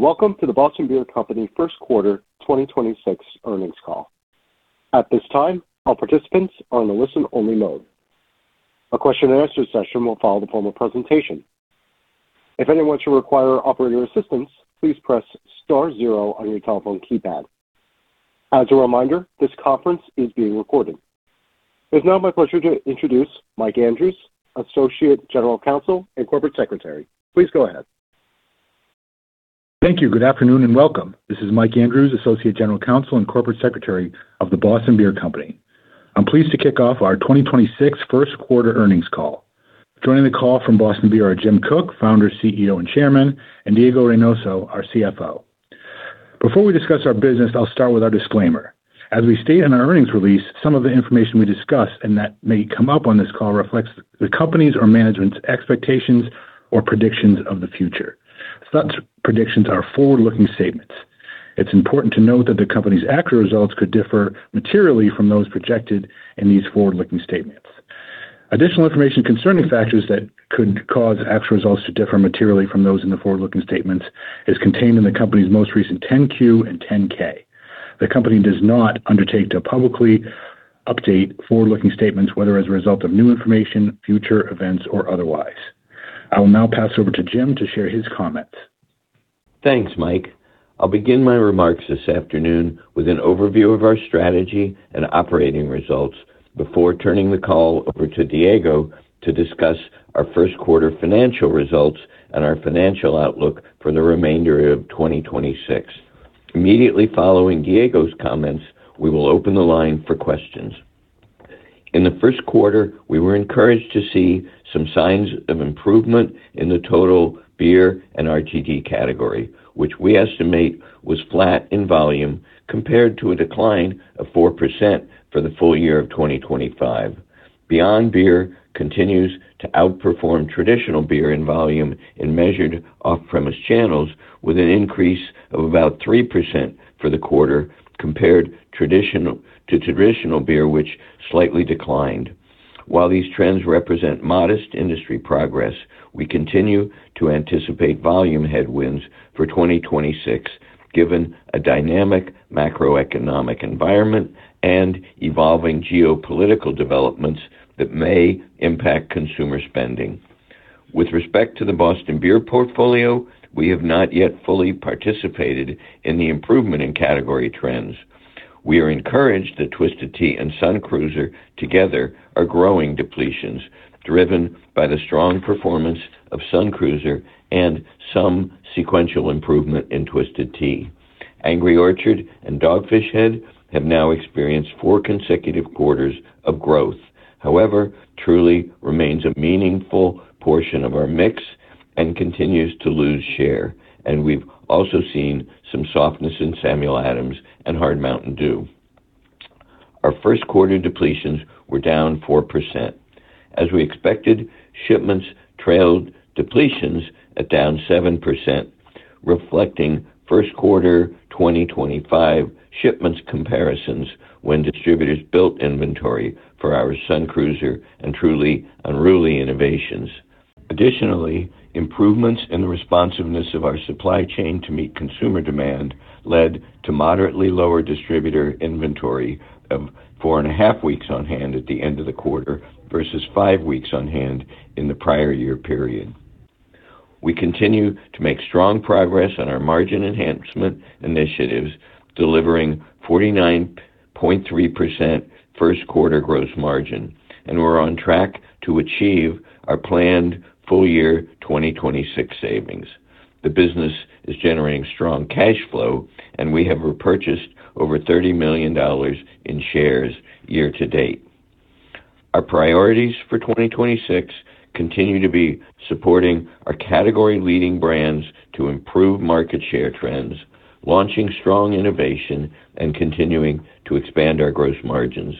Welcome to The Boston Beer Company first quarter 2026 earnings call. At this time, all participants are on a listen only mode. A question-and-answer session will follow the formal presentation. If anyone should require operator assistance, please press star zero on your telephone keypad. As a reminder, this conference is being recorded. It is now my pleasure to introduce Michael Andrews, Associate General Counsel and Corporate Secretary. Please go ahead. Thank you. Good afternoon and welcome. This is Michael Andrews, Associate General Counsel and Corporate Secretary of The Boston Beer Company. I'm pleased to kick off our 2026 first quarter earnings call. Joining the call from Boston Beer are Jim Koch, Founder, CEO, and Chairman, and Diego Reynoso, our CFO. Before we discuss our business, I'll start with our disclaimer. As we state in our earnings release, some of the information we discuss, and that may come up on this call reflects the company's or management's expectations or predictions of the future. Such predictions are forward-looking statements. It's important to note that the company's actual results could differ materially from those projected in these forward-looking statements. Additional information concerning factors that could cause actual results to differ materially from those in the forward-looking statements is contained in the company's most recent 10-Q and 10-K. The company does not undertake to publicly update forward-looking statements, whether as a result of new information, future events, or otherwise. I will now pass over to Jim to share his comments. Thanks, Mike. I'll begin my remarks this afternoon with an overview of our strategy and operating results before turning the call over to Diego to discuss our first quarter financial results and our financial outlook for the remainder of 2026. Immediately following Diego's comments, we will open the line for questions. In the first quarter, we were encouraged to see some signs of improvement in the total beer and RTD category, which we estimate was flat in volume compared to a decline of 4% for the full year of 2025. Beyond beer continues to outperform traditional beer in volume in measured off-premise channels with an increase of about 3% for the quarter compared to traditional beer, which slightly declined. While these trends represent modest industry progress, we continue to anticipate volume headwinds for 2026, given a dynamic macroeconomic environment and evolving geopolitical developments that may impact consumer spending. With respect to the Boston Beer portfolio, we have not yet fully participated in the improvement in category trends. We are encouraged that Twisted Tea and Sun Cruiser together are growing depletions, driven by the strong performance of Sun Cruiser and some sequential improvement in Twisted Tea. Angry Orchard and Dogfish Head have now experienced four consecutive quarters of growth. However, Truly remains a meaningful portion of our mix and continues to lose share. We've also seen some softness in Samuel Hard MTN DEW. our first quarter depletions were down 4%. As we expected, shipments trailed depletions at down 7%, reflecting first quarter 2025 shipments comparisons when distributors built inventory for our Sun Cruiser and Truly Unruly innovations. Additionally, improvements in the responsiveness of our supply chain to meet consumer demand led to moderately lower distributor inventory of four and a half weeks on hand at the end of the quarter versus five weeks on hand in the prior year period. We continue to make strong progress on our margin enhancement initiatives, delivering 49.3% first quarter gross margin, and we're on track to achieve our planned full year 2026 savings. The business is generating strong cash flow, and we have repurchased over $30 million in shares year to date. Our priorities for 2026 continue to be supporting our category-leading brands to improve market share trends, launching strong innovation, and continuing to expand our gross margins.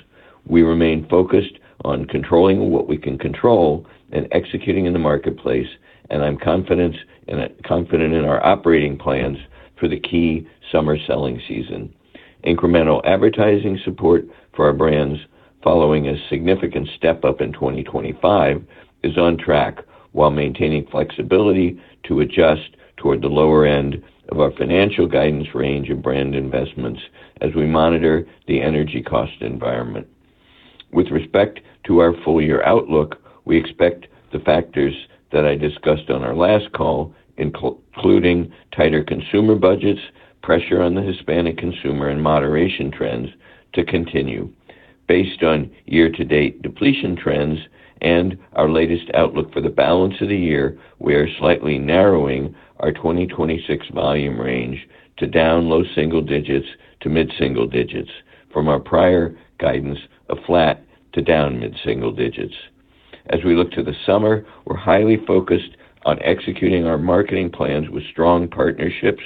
We remain focused on controlling what we can control and executing in the marketplace, and I'm confident in our operating plans for the key summer selling season. Incremental advertising support for our brands following a significant step-up in 2025 is on track while maintaining flexibility to adjust toward the lower end of our financial guidance range and brand investments as we monitor the energy cost environment. With respect to our full year outlook, we expect the factors that I discussed on our last call, including tighter consumer budgets, pressure on the Hispanic consumer, and moderation trends to continue. Based on year-to-date depletion trends and our latest outlook for the balance of the year, we are slightly narrowing our 2026 volume range to down low single digits to mid-single digits from our prior guidance of flat to down mid-single digits. As we look to the summer, we're highly focused on executing our marketing plans with strong partnerships,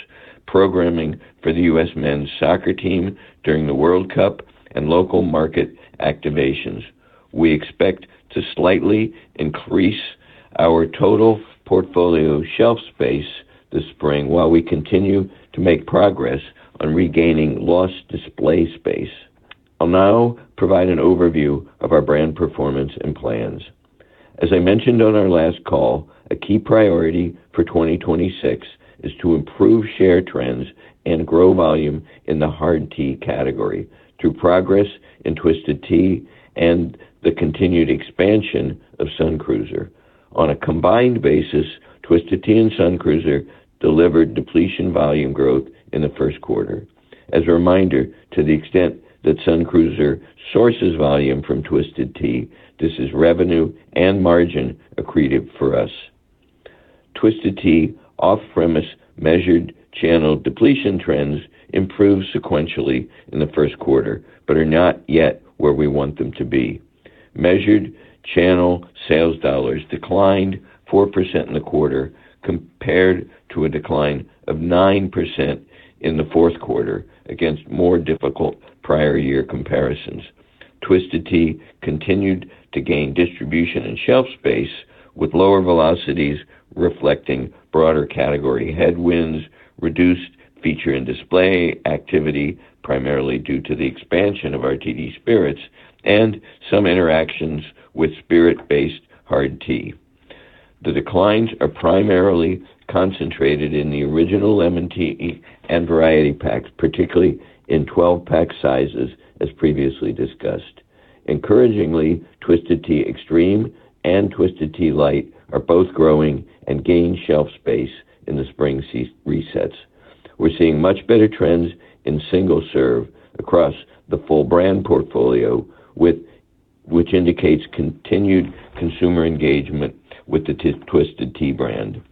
programming for the U.S. men's soccer team during the World Cup and local market activations. We expect to slightly increase our total portfolio shelf space this spring while we continue to make progress on regaining lost display space. I'll now provide an overview of our brand performance and plans. As I mentioned on our last call, a key priority for 2026 is to improve share trends and grow volume in the hard tea category through progress in Twisted Tea and the continued expansion of Sun Cruiser. On a combined basis, Twisted Tea and Sun Cruiser delivered depletion volume growth in the first quarter. As a reminder, to the extent that Sun Cruiser sources volume from Twisted Tea, this is revenue and margin accretive for us. Twisted Tea off-premise measured channel depletion trends improved sequentially in the first quarter, but are not yet where we want them to be. Measured channel sales dollars declined 4% in the quarter compared to a decline of 9% in the fourth quarter against more difficult prior year comparisons. Twisted Tea continued to gain distribution and shelf space with lower velocities reflecting broader category headwinds, reduced feature and display activity, primarily due to the expansion of RTD Spirits and some interactions with spirit-based hard tea. The declines are primarily concentrated in the original lemon tea and variety packs, particularly in 12-pack sizes, as previously discussed. Encouragingly, Twisted Tea Extreme and Twisted Tea Light are both growing and gain shelf space in the spring resets. We're seeing much better trends in single serve across the full brand portfolio, which indicates continued consumer engagement with the Twisted Tea brand.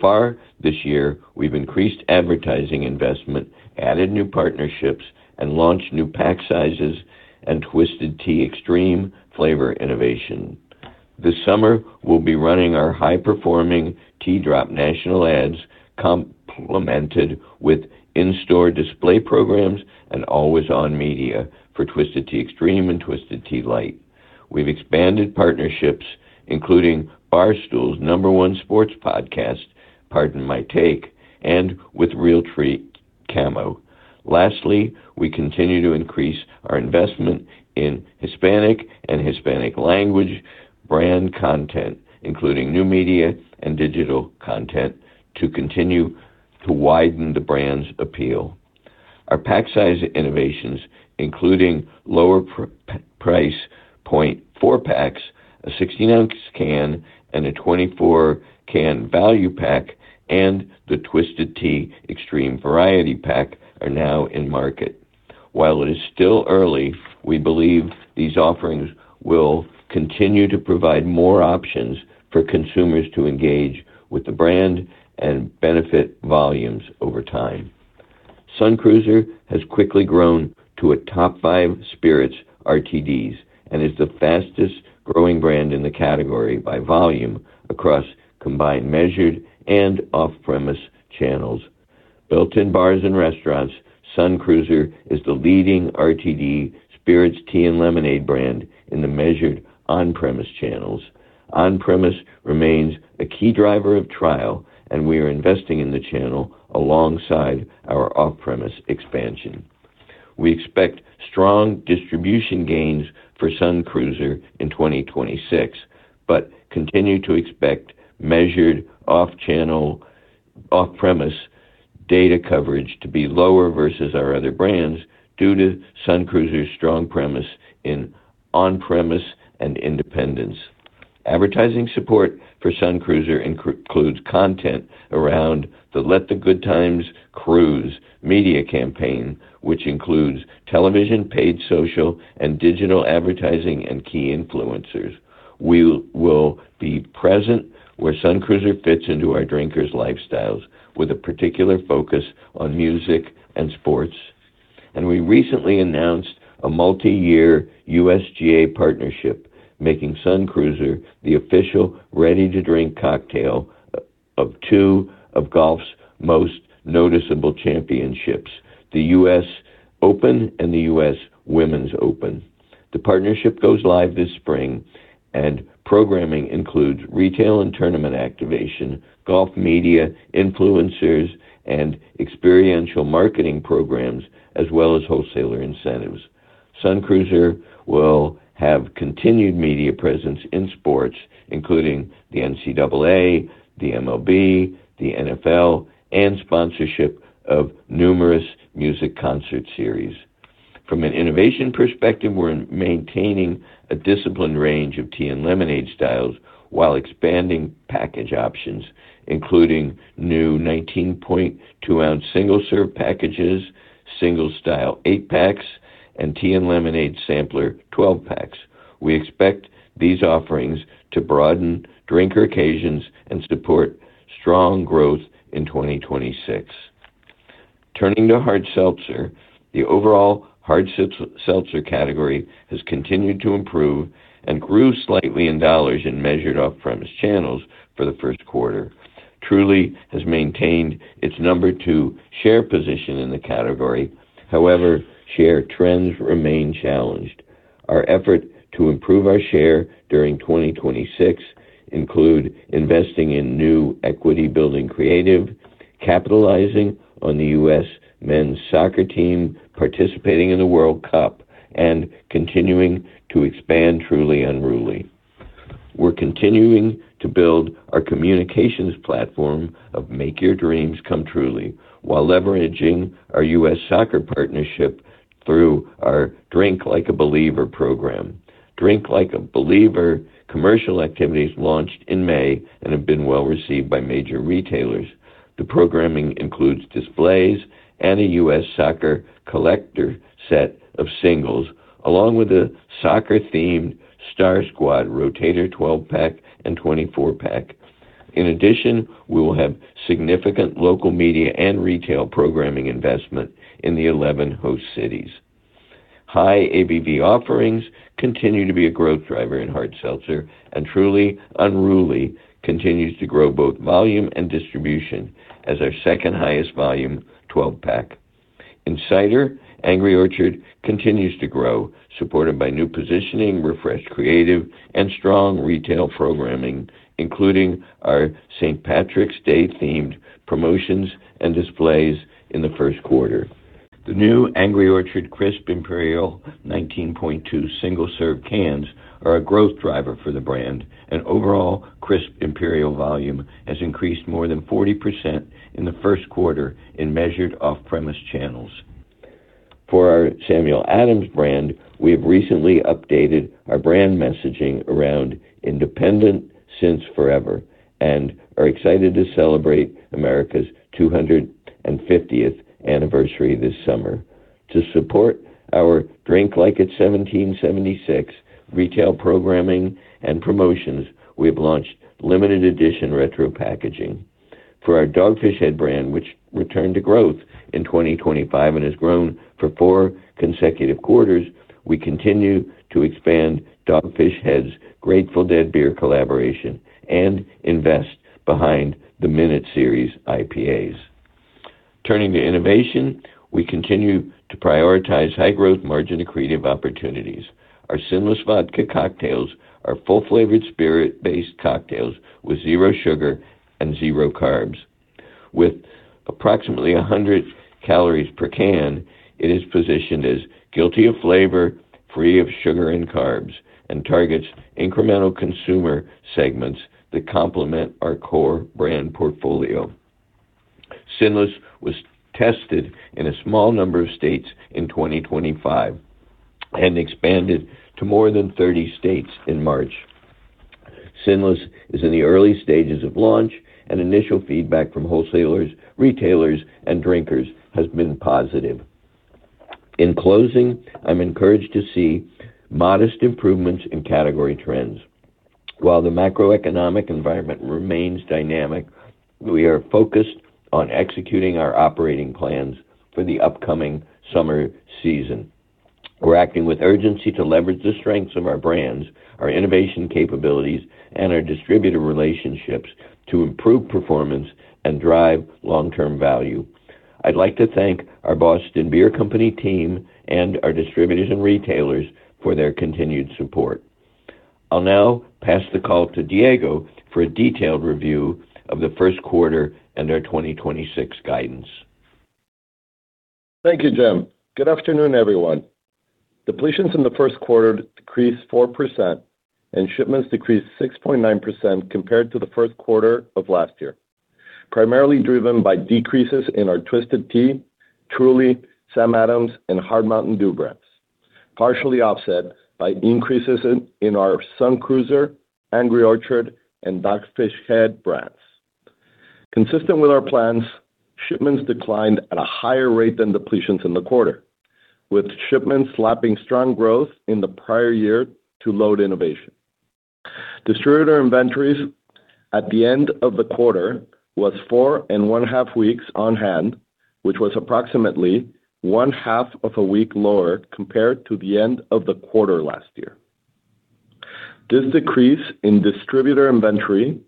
Far this year, we've increased advertising investment, added new partnerships, and launched new pack sizes and Twisted Tea Extreme flavor innovation. This summer, we'll be running our high-performing Tea Drop national ads complemented with in-store display programs and always-on media for Twisted Tea Extreme and Twisted Tea Light. We've expanded partnerships including Barstool's number one sports podcast, Pardon My Take, and with Realtree Camo. Lastly, we continue to increase our investment in Hispanic and Hispanic language brand content, including new media and digital content, to continue to widen the brand's appeal. Our pack size innovations, including lower price point four-packs, a 16-ounce can, and a 24-can value pack, and the Twisted Tea Extreme variety pack are now in market. While it is still early, we believe these offerings will continue to provide more options for consumers to engage with the brand and benefit volumes over time. Sun Cruiser has quickly grown to a top five spirits RTDs and is the fastest growing brand in the category by volume across combined measured and off-premise channels. Built in bars and restaurants, Sun Cruiser is the leading RTD spirits tea and lemonade brand in the measured on-premise channels. On-premise remains a key driver of trial, and we are investing in the channel alongside our off-premise expansion. We expect strong distribution gains for Sun Cruiser in 2026, but continue to expect measured off-channel, off-premise data coverage to be lower versus our other brands due to Sun Cruiser's strong premise in on-premise and independence. Advertising support for Sun Cruiser includes content around the Let the Good Times Cruise media campaign, which includes television, paid social, and digital advertising and key influencers. We will be present where Sun Cruiser fits into our drinkers' lifestyles with a particular focus on music and sports. We recently announced a multiyear USGA partnership, making Sun Cruiser the official ready-to-drink cocktail of two of golf's most noticeable championships, the U.S. Open and the U.S. Women's Open. The partnership goes live this spring, and programming includes retail and tournament activation, golf media, influencers, and experiential marketing programs, as well as wholesaler incentives. Sun Cruiser will have continued media presence in sports, including the NCAA, the MLB, the NFL, and sponsorship of numerous music concert series. From an innovation perspective, we're maintaining a disciplined range of tea and lemonade styles while expanding package options, including new 19.2 oz single serve packages, single style 8 packs, and tea and lemonade sampler 12 packs. We expect these offerings to broaden drinker occasions and support strong growth in 2026. Turning to hard seltzer, the overall hard seltzer category has continued to improve and grew slightly in dollars in measured off-premise channels for the first quarter. Truly has maintained its number 2 share position in the category. However, share trends remain challenged. Our effort to improve our share during 2026 include investing in new equity building creative. Capitalizing on the U.S. Men's Soccer team participating in the World Cup and continuing to expand Truly Unruly. We're continuing to build our communications platform of Make Your Dreams Come Truly, while leveraging our U.S. Soccer partnership through our Drink like a Believer program. Drink like a Believer commercial activities launched in May and have been well-received by major retailers. The programming includes displays and a U.S. Soccer collector set of singles, along with a soccer-themed Star Squad Rotator 12-pack and 24-pack. In addition, we will have significant local media and retail programming investment in the 11 host cities. High ABV offerings continue to be a growth driver in hard seltzer, and Truly Unruly continues to grow both volume and distribution as our second-highest volume 12-pack. In cider, Angry Orchard continues to grow, supported by new positioning, refreshed creative, and strong retail programming, including our St. Patrick's Day-themed promotions and displays in the first quarter. The new Angry Orchard Crisp Imperial 19.2 single-serve cans are a growth driver for the brand, and overall Crisp Imperial volume has increased more than 40% in the first quarter in measured off-premise channels. For our Samuel Adams brand, we have recently updated our brand messaging around Independent Since Forever and are excited to celebrate America's 250th anniversary this summer. To support our Drink Like It's Seventeen Seventy-Six retail programming and promotions, we have launched limited edition retro packaging. For our Dogfish Head brand, which returned to growth in 2025 and has grown for four consecutive quarters, we continue to expand Dogfish Head's Grateful Dead beer collaboration and invest behind the Minute Series IPAs. Turning to innovation, we continue to prioritize high-growth margin-accretive opportunities. Our Sinless Vodka Cocktails are full-flavored spirit-based cocktails with zero sugar and zero carbs. With approximately 100 calories per can, it is positioned as guilty of flavor, free of sugar and carbs, and targets incremental consumer segments that complement our core brand portfolio. Sinless was tested in a small number of states in 2025 and expanded to more than 30 states in March. Sinless is in the early stages of launch, Initial feedback from wholesalers, retailers, and drinkers has been positive. In closing, I'm encouraged to see modest improvements in category trends. While the macroeconomic environment remains dynamic, we are focused on executing our operating plans for the upcoming summer season. We're acting with urgency to leverage the strengths of our brands, our innovation capabilities, and our distributor relationships to improve performance and drive long-term value. I'd like to thank our Boston Beer Company team and our distributors and retailers for their continued support. I'll now pass the call to Diego for a detailed review of the first quarter and our 2026 guidance. Thank you, Jim. Good afternoon, everyone. Depletions in the first quarter decreased 4% and shipments decreased 6.9% compared to the first quarter of last year, primarily driven by decreases in our Twisted Tea, Truly, Samuel Hard MTN DEW brands, partially offset by increases in our Sun Cruiser, Angry Orchard, and Dogfish Head brands. Consistent with our plans, shipments declined at a higher rate than depletions in the quarter, with shipments lapping strong growth in the prior year to load innovation. Distributor inventories at the end of the quarter was four and one half weeks on hand, which was approximately one half of a week lower compared to the end of the quarter last year. This decrease in distributor inventory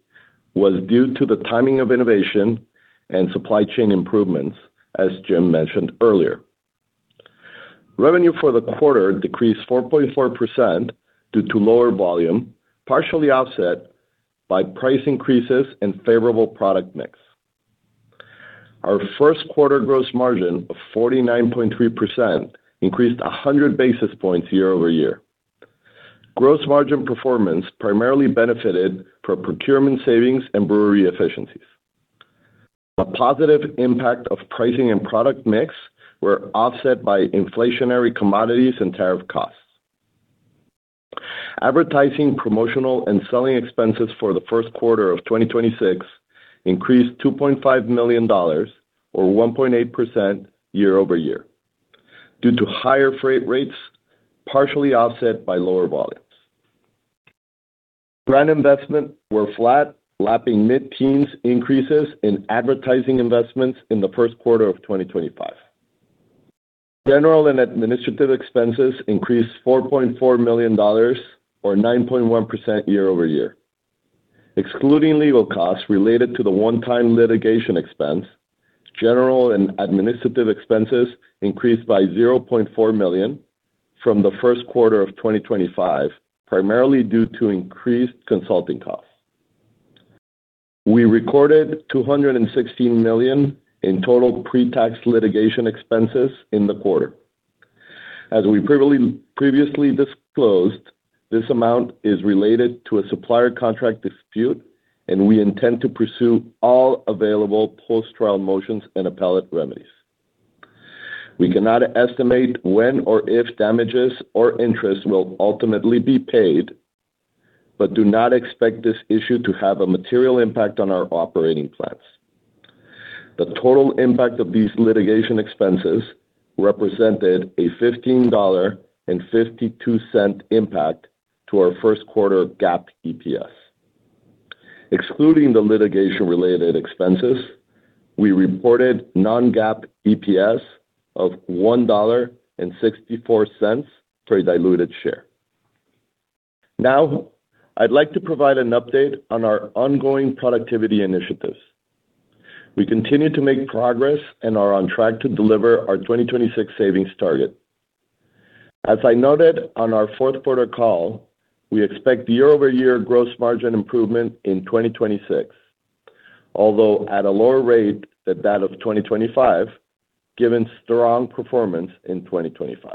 was due to the timing of innovation and supply chain improvements, as Jim mentioned earlier. Revenue for the quarter decreased 4.4% due to lower volume, partially offset by price increases and favorable product mix. Our first quarter gross margin of 49.3% increased 100 basis points year-over-year. Gross margin performance primarily benefited from procurement savings and brewery efficiencies. A positive impact of pricing and product mix were offset by inflationary commodities and tariff costs. Advertising, promotional, and selling expenses for the first quarter of 2026 increased $2.5 million or 1.8% year-over-year due to higher freight rates, partially offset by lower volumes. Brand investment were flat, lapping mid-teens increases in advertising investments in the first quarter of 2025. General and administrative expenses increased $4.4 million or 9.1% year-over-year. Excluding legal costs related to the one-time litigation expense, general and administrative expenses increased by $0.4 million From the first quarter of 2025, primarily due to increased consulting costs. We recorded $216 million in total pre-tax litigation expenses in the quarter. As we previously disclosed, this amount is related to a supplier contract dispute. We intend to pursue all available post-trial motions and appellate remedies. We cannot estimate when or if damages or interest will ultimately be paid, but do not expect this issue to have a material impact on our operating plans. The total impact of these litigation expenses represented a $15.52 impact to our first quarter GAAP EPS. Excluding the litigation-related expenses, we reported non-GAAP EPS of $1.64 per diluted share. I'd like to provide an update on our ongoing productivity initiatives. We continue to make progress and are on track to deliver our 2026 savings target. As I noted on our fourth quarter call, we expect year-over-year gross margin improvement in 2026, although at a lower rate than that of 2025, given strong performance in 2025.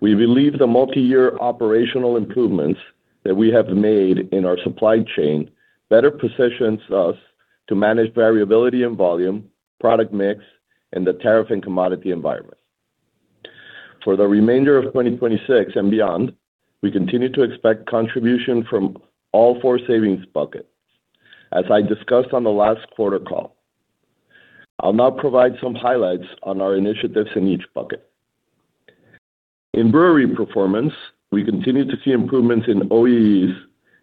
We believe the multi-year operational improvements that we have made in our supply chain better positions us to manage variability and volume, product mix, and the tariff and commodity environment. For the remainder of 2026 and beyond, we continue to expect contribution from all four savings buckets, as I discussed on the last quarter call. I will now provide some highlights on our initiatives in each bucket. In brewery performance, we continue to see improvements in OEEs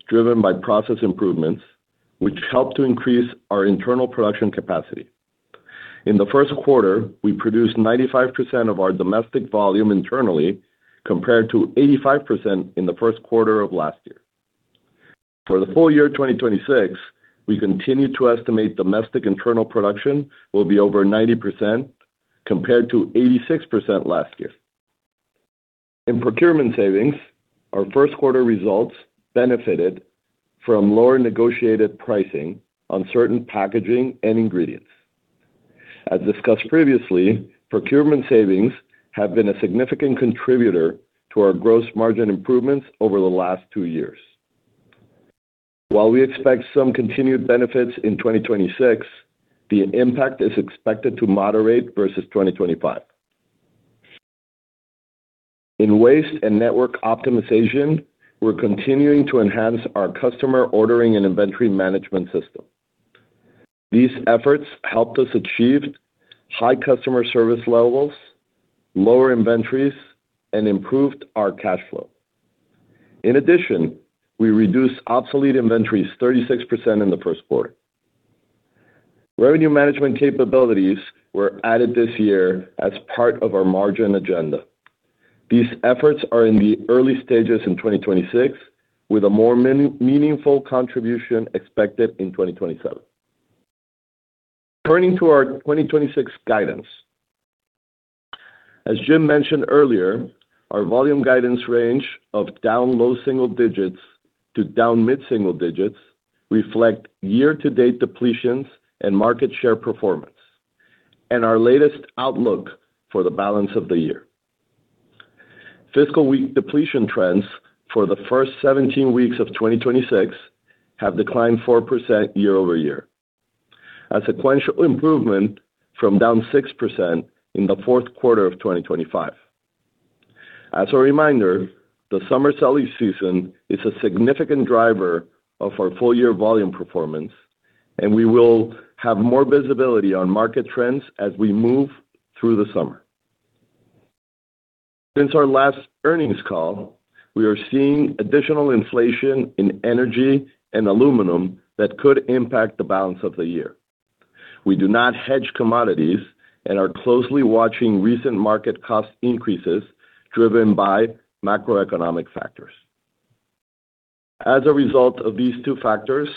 driven by process improvements, which help to increase our internal production capacity. In the first quarter, we produced 95% of our domestic volume internally, compared to 85% in the first quarter of last year. For the full year 2026, we continue to estimate domestic internal production will be over 90%, compared to 86% last year. In procurement savings, our first quarter results benefited from lower negotiated pricing on certain packaging and ingredients. As discussed previously, procurement savings have been a significant contributor to our gross margin improvements over the last two years. While we expect some continued benefits in 2026, the impact is expected to moderate versus 2025. In waste and network optimization, we're continuing to enhance our customer ordering and inventory management system. These efforts helped us achieve high customer service levels, lower inventories, and improved our cash flow. In addition, we reduced obsolete inventories 36% in the first quarter. Revenue management capabilities were added this year as part of our margin agenda. These efforts are in the early stages in 2026, with a more meaningful contribution expected in 2027. Turning to our 2026 guidance. As Jim mentioned earlier, our volume guidance range of down low single digits to down mid single digits reflect year-to-date depletions and market share performance, and our latest outlook for the balance of the year. Fiscal week depletion trends for the first 17 weeks of 2026 have declined 4% year-over-year. A sequential improvement from down 6% in the fourth quarter of 2025. As a reminder, the summer selling season is a significant driver of our full-year volume performance, and we will have more visibility on market trends as we move through the summer. Since our last earnings call, we are seeing additional inflation in energy and aluminum that could impact the balance of the year. We do not hedge commodities and are closely watching recent market cost increases driven by macroeconomic factors. As a result of these two factors,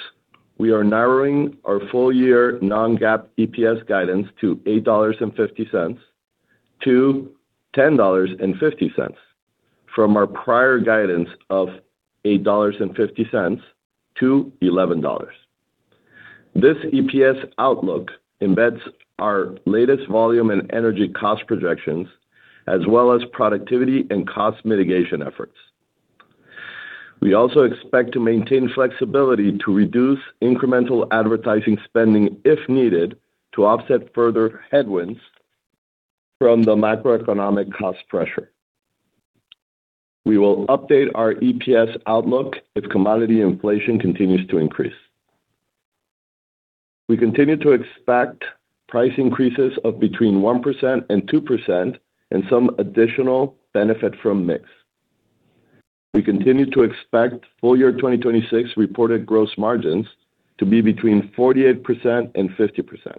we are narrowing our full-year non-GAAP EPS guidance to $8.50-$10.50 from our prior guidance of $8.50-$11.00. This EPS outlook embeds our latest volume and energy cost projections as well as productivity and cost mitigation efforts. We also expect to maintain flexibility to reduce incremental advertising spending if needed to offset further headwinds from the macroeconomic cost pressure. We will update our EPS outlook if commodity inflation continues to increase. We continue to expect price increases of between 1% and 2% and some additional benefit from mix. We continue to expect full year 2026 reported gross margins to be between 48% and 50%.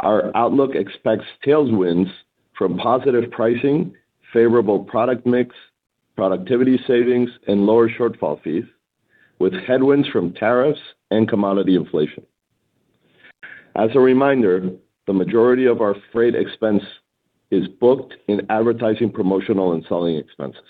Our outlook expects tailwinds from positive pricing, favorable product mix, productivity savings, and lower shortfall fees, with headwinds from tariffs and commodity inflation. As a reminder, the majority of our freight expense is booked in advertising, promotional, and selling expenses.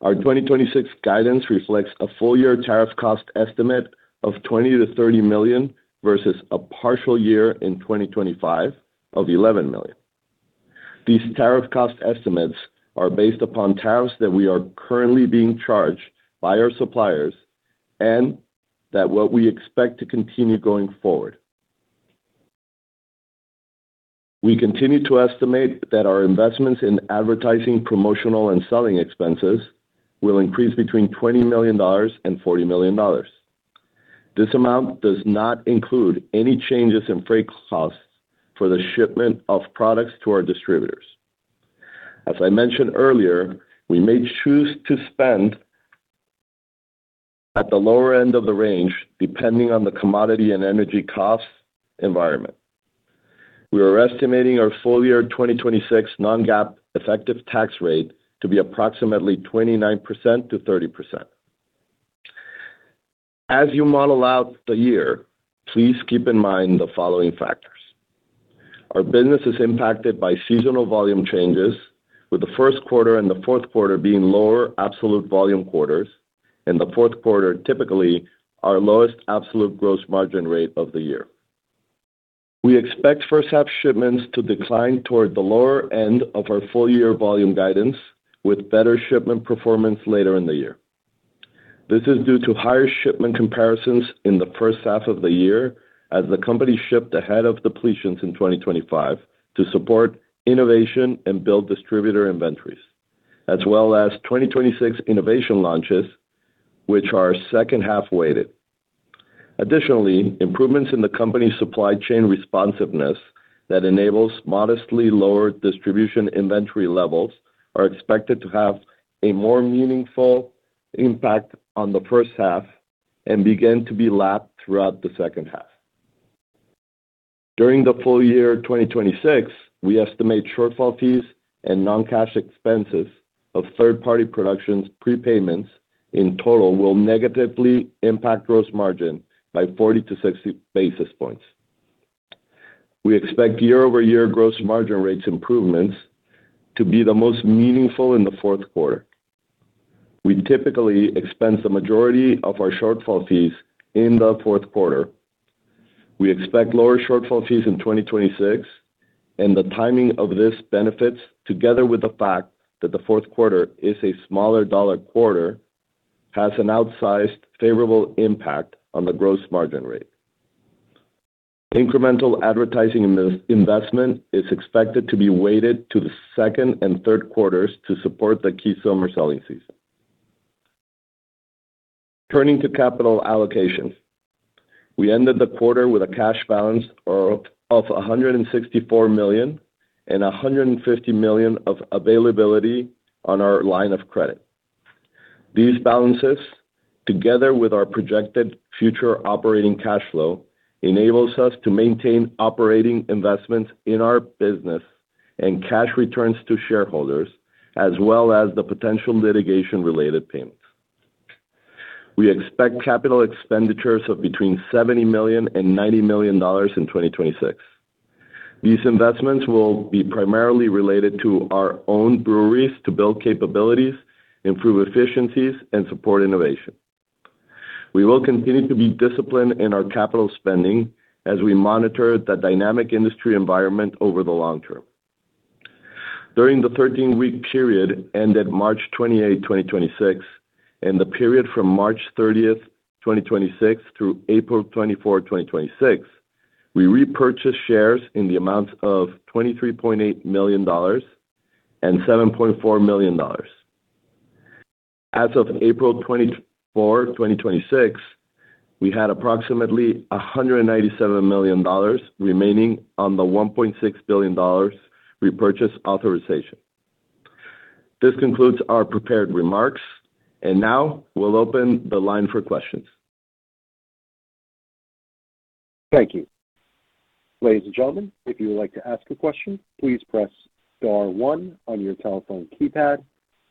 Our 2026 guidance reflects a full year tariff cost estimate of $20 million-$30 million, versus a partial year in 2025 of $11 million. These tariff cost estimates are based upon tariffs that we are currently being charged by our suppliers and that what we expect to continue going forward. We continue to estimate that our investments in advertising, promotional, and selling expenses will increase between $20 million and $40 million. This amount does not include any changes in freight costs for the shipment of products to our distributors. As I mentioned earlier, we may choose to spend at the lower end of the range depending on the commodity and energy costs environment. We are estimating our full year 2026 non-GAAP effective tax rate to be approximately 29%-30%. As you model out the year, please keep in mind the following factors. Our business is impacted by seasonal volume changes, with the first quarter and the fourth quarter being lower absolute volume quarters, and the fourth quarter typically our lowest absolute gross margin rate of the year. We expect first half shipments to decline toward the lower end of our full year volume guidance, with better shipment performance later in the year. This is due to higher shipment comparisons in the first half of the year as the company shipped ahead of depletions in 2025 to support innovation and build distributor inventories, as well as 2026 innovation launches, which are second half weighted. Additionally, improvements in the company's supply chain responsiveness that enables modestly lower distribution inventory levels are expected to have a more meaningful impact on the first half and begin to be lapped throughout the second half. During the full year 2026, we estimate shortfall fees and non-cash expenses of third-party productions prepayments in total will negatively impact gross margin by 40 to 60 basis points. We expect year-over-year gross margin rates improvements to be the most meaningful in the fourth quarter. We typically expense the majority of our shortfall fees in the fourth quarter. We expect lower shortfall fees in 2026, the timing of this benefits, together with the fact that the fourth quarter is a smaller dollar quarter, has an outsized favorable impact on the gross margin rate. Incremental advertising in-investment is expected to be weighted to the second and third quarters to support the key summer selling season. Turning to capital allocations. We ended the quarter with a cash balance of $164 million and $150 million of availability on our line of credit. These balances, together with our projected future operating cash flow, enables us to maintain operating investments in our business and cash returns to shareholders, as well as the potential litigation related payments. We expect capital expenditures of between $70 million-$90 million in 2026. These investments will be primarily related to our own breweries to build capabilities, improve efficiencies, and support innovation. We will continue to be disciplined in our capital spending as we monitor the dynamic industry environment over the long term. During the 13-week period ended March 28, 2026, and the period from March 30, 2026 through April 24, 2026, we repurchased shares in the amount of $23.8 million and $7.4 million. As of April 24, 2026, we had approximately $197 million remaining on the $1.6 billion repurchase authorization. This concludes our prepared remarks. Now we'll open the line for questions. Thank you. Ladies and gentlemen, if you would like to ask a question, please press star one on your telephone keypad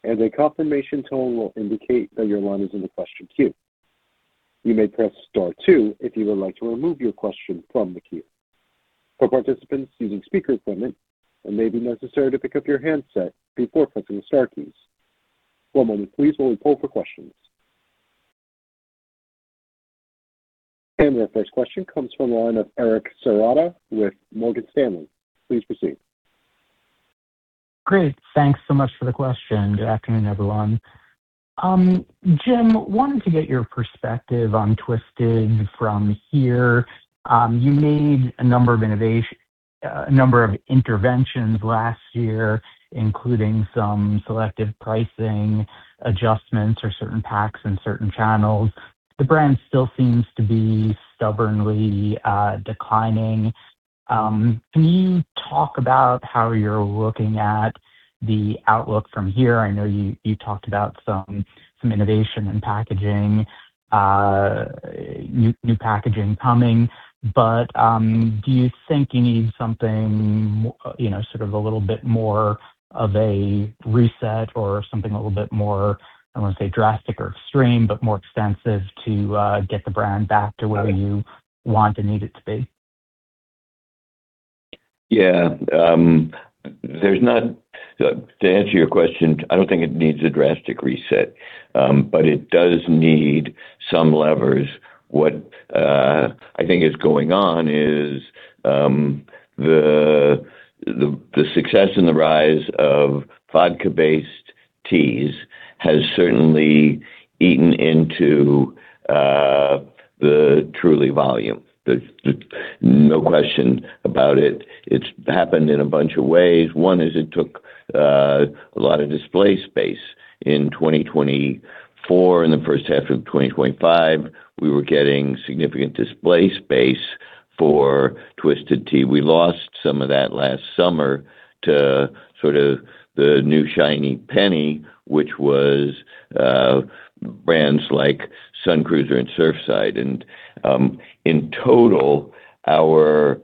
and a confirmation tone will indicate that your line is in the question queue. You may press star two if you would like to remove your question from the queue. For participants using speaker equipment, it may be necessary to pick up your handset before pressing the star keys. One moment please while we poll for questions. Our first question comes from the line of Eric Serotta with Morgan Stanley. Please proceed. Great. Thanks so much for the question. Good afternoon, everyone. Jim, I wanted to get your perspective on Twisted from here. You made a number of interventions last year, including some selective pricing adjustments for certain packs and certain channels. The brand still seems to be stubbornly declining. Can you talk about how you're looking at the outlook from here? I know you talked about some innovation in packaging, new packaging coming, but do you think you need something, you know, sort of a little bit more of a reset or something a little bit more, I don't want to say drastic or extreme, but more extensive to get the brand back to where you want and need it to be? Yeah. To answer your question, I don't think it needs a drastic reset, but it does need some levers. What I think is going on is the success and the rise of vodka-based teas has certainly eaten into the Truly volume. There's no question about it. It's happened in a bunch of ways. One is it took a lot of display space in 2024. In the first half of 2025, we were getting significant display space for Twisted Tea. We lost some of that last summer to sort of the new shiny penny, which was brands like Sun Cruiser and Surfside. In total, our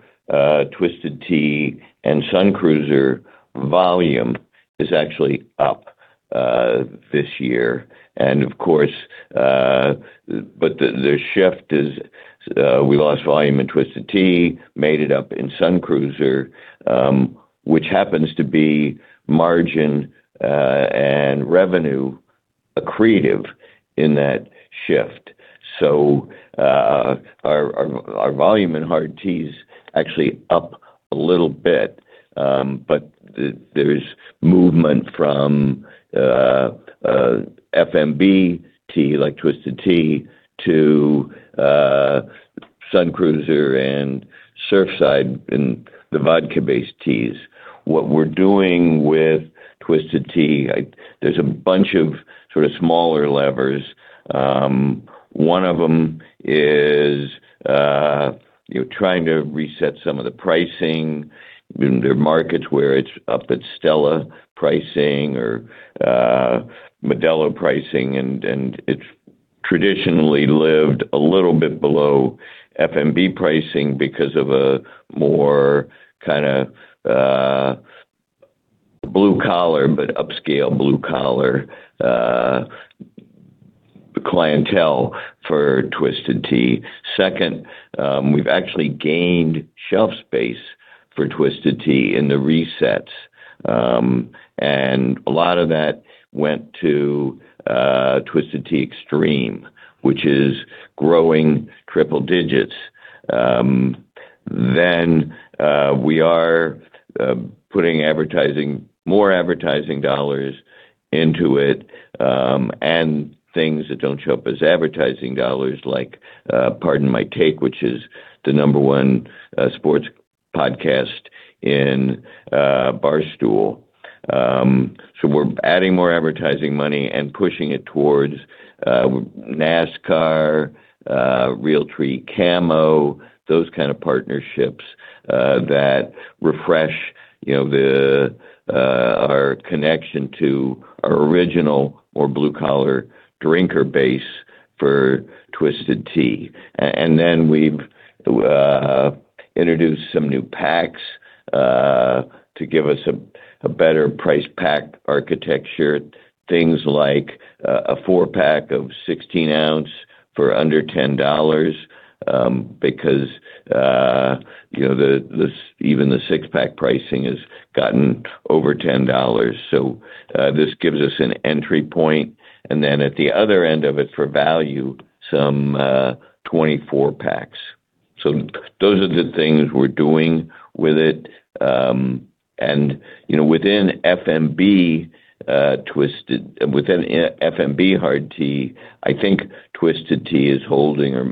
Twisted Tea and Sun Cruiser volume is actually up this year. Of course, the shift is, we lost volume in Twisted Tea, made it up in Sun Cruiser, which happens to be margin and revenue accretive in that shift. Our volume in hard tea is actually up a little bit, there is movement from FMB tea like Twisted Tea to Sun Cruiser and Surfside and the vodka-based teas. What we're doing with Twisted Tea, there's a bunch of sort of smaller levers. One of them is, you know, trying to reset some of the pricing. There are markets where it's up at Stella pricing or Modelo pricing, and it's traditionally lived a little bit below FMB pricing because of a more kinda blue collar, but upscale blue collar clientele for Twisted Tea. Second, we've actually gained shelf space for Twisted Tea in the resets. A lot of that went to Twisted Tea Extreme, which is growing triple digits. We are putting more advertising dollars into it, and things that don't show up as advertising dollars like Pardon My Take, which is the number one sports podcast in Barstool. We're adding more advertising money and pushing it towards NASCAR, Realtree Camo, those kind of partnerships that refresh, you know, our connection to our original more blue collar drinker base for Twisted Tea. Then we've introduced some new packs to give us a better price pack architecture. Things like a four-pack of 16 oz for under $10 because even the six-pack pricing has gotten over $10. This gives us an entry point, and then at the other end of it for value, some 24-packs. Those are the things we're doing with it. Within FMB hard tea, I think Twisted Tea is holding or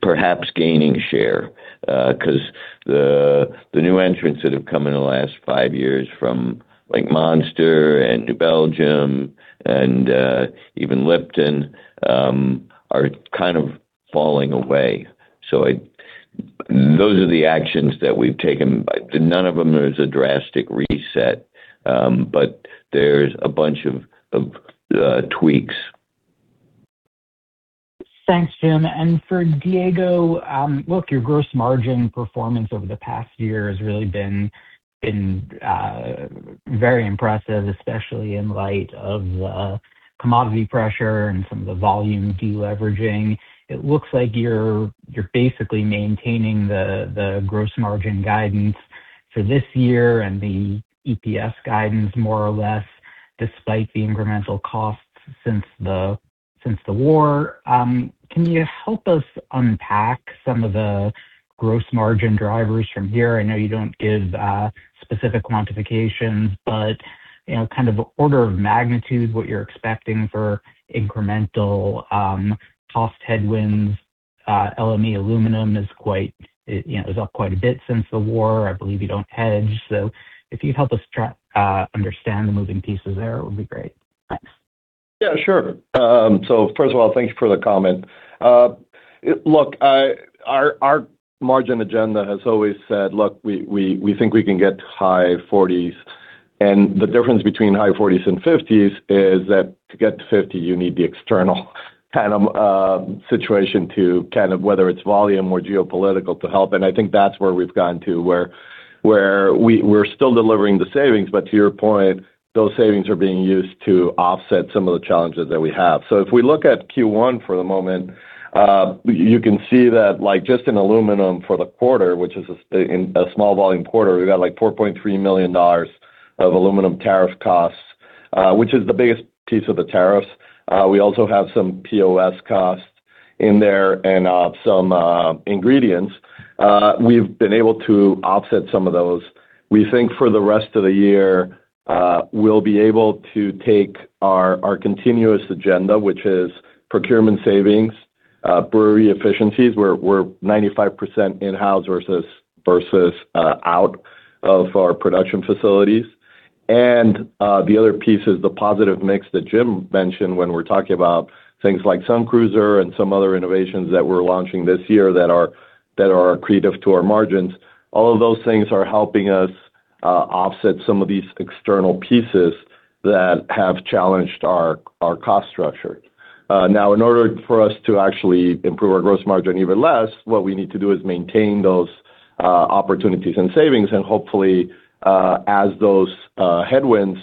perhaps gaining share 'cause the new entrants that have come in the last five years from like Monster and New Belgium and even Lipton are kind of falling away. Those are the actions that we've taken. None of them is a drastic reset, but there's a bunch of tweaks. Thanks, Jim. For Diego, look, your gross margin performance over the past year has really been very impressive, especially in light of the commodity pressure and some of the volume de-leveraging. It looks like you're basically maintaining the gross margin guidance for this year and the EPS guidance more or less, despite the incremental costs since the war. Can you help us unpack some of the gross margin drivers from here? I know you don't give specific quantifications, but you know, kind of order of magnitude what you're expecting for incremental cost headwinds. LME aluminum is up quite a bit since the war. I believe you don't hedge. If you'd help us understand the moving pieces there, it would be great. Thanks. Yeah, sure. First of all, thank you for the comment. Look, our margin agenda has always said, look, we think we can get to high 40s. The difference between high 40s and 50s is that to get to 50, you need the external kind of situation to kind of whether it's volume or geopolitical to help. I think that's where we've gotten to where we're still delivering the savings. To your point, those savings are being used to offset some of the challenges that we have. If we look at Q1 for the moment, you can see that like just in aluminum for the quarter, which is in a small volume quarter, we've got like $4.3 million of aluminum tariff costs. Which is the biggest piece of the tariffs. We also have some POS costs in there and some ingredients. We've been able to offset some of those. We think for the rest of the year, we'll be able to take our continuous agenda, which is procurement savings, brewery efficiencies, we're 95% in-house versus out of our production facilities. The other piece is the positive mix that Jim mentioned when we're talking about things like Sun Cruiser and some other innovations that we're launching this year that are accretive to our margins. All of those things are helping us offset some of these external pieces that have challenged our cost structure. Now in order for us to actually improve our gross margin even less, what we need to do is maintain those opportunities and savings and hopefully, as those headwinds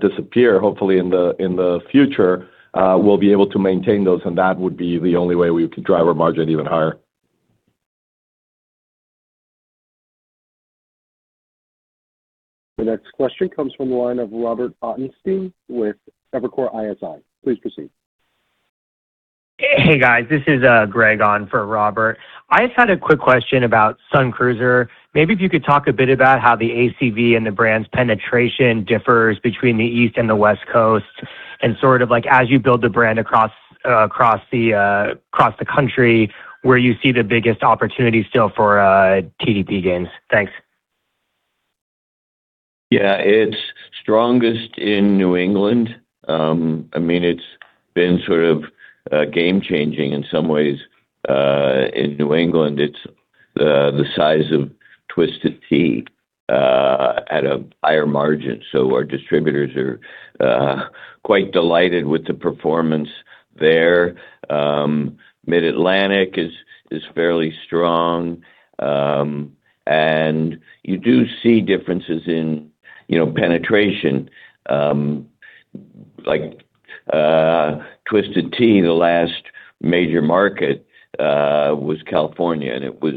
disappear, hopefully in the future, we'll be able to maintain those, and that would be the only way we could drive our margin even higher. The next question comes from the line of Robert Ottenstein with Evercore ISI. Please proceed. Hey guys, this is Greg on for Robert. I just had a quick question about Sun Cruiser. Maybe if you could talk a bit about how the ACV and the brand's penetration differs between the East and the West Coasts and sort of like as you build the brand across the country, where you see the biggest opportunity still for TDP gains. Thanks. It's strongest in New England. I mean, it's been sort of game changing in some ways. In New England it's the size of Twisted Tea at a higher margin. Our distributors are quite delighted with the performance there. Mid-Atlantic is fairly strong. You do see differences in, you know, penetration. Like Twisted Tea, the last major market, was California, and it was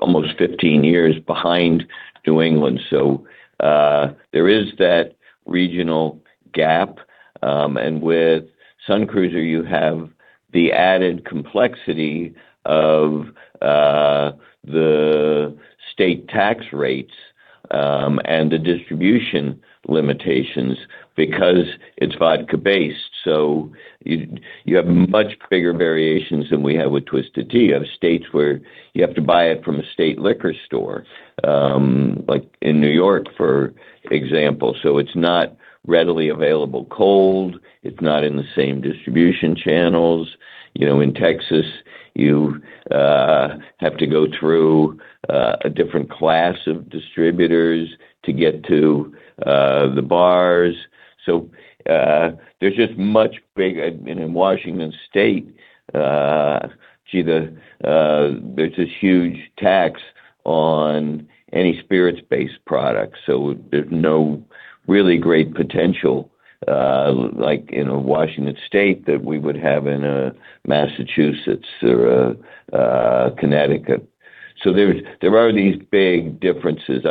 almost 15 years behind New England. There is that regional gap. With Sun Cruiser you have the added complexity of the state tax rates, and the distribution limitations because it's vodka based. You, you have much bigger variations than we have with Twisted Tea. You have states where you have to buy it from a state liquor store, like in New York, for example. It's not readily available cold. It's not in the same distribution channels. You know, in Texas, you have to go through a different class of distributors to get to the bars. There's just much In Washington State, there's this huge tax on any spirits based product, so there's no really great potential, like in a Washington State that we would have in a Massachusetts or a Connecticut. There are these big differences.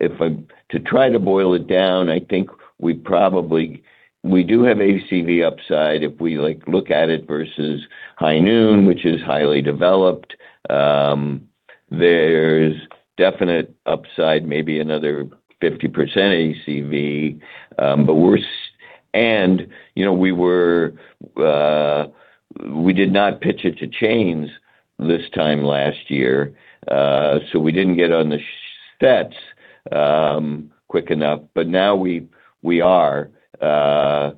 To try to boil it down, I think we do have ACV upside if we, like, look at it versus High Noon, which is highly developed. There's definite upside, maybe another 50% ACV. You know, we were, we did not pitch it to chains this time last year, so we didn't get on the sets quick enough. Now we are, we weren't on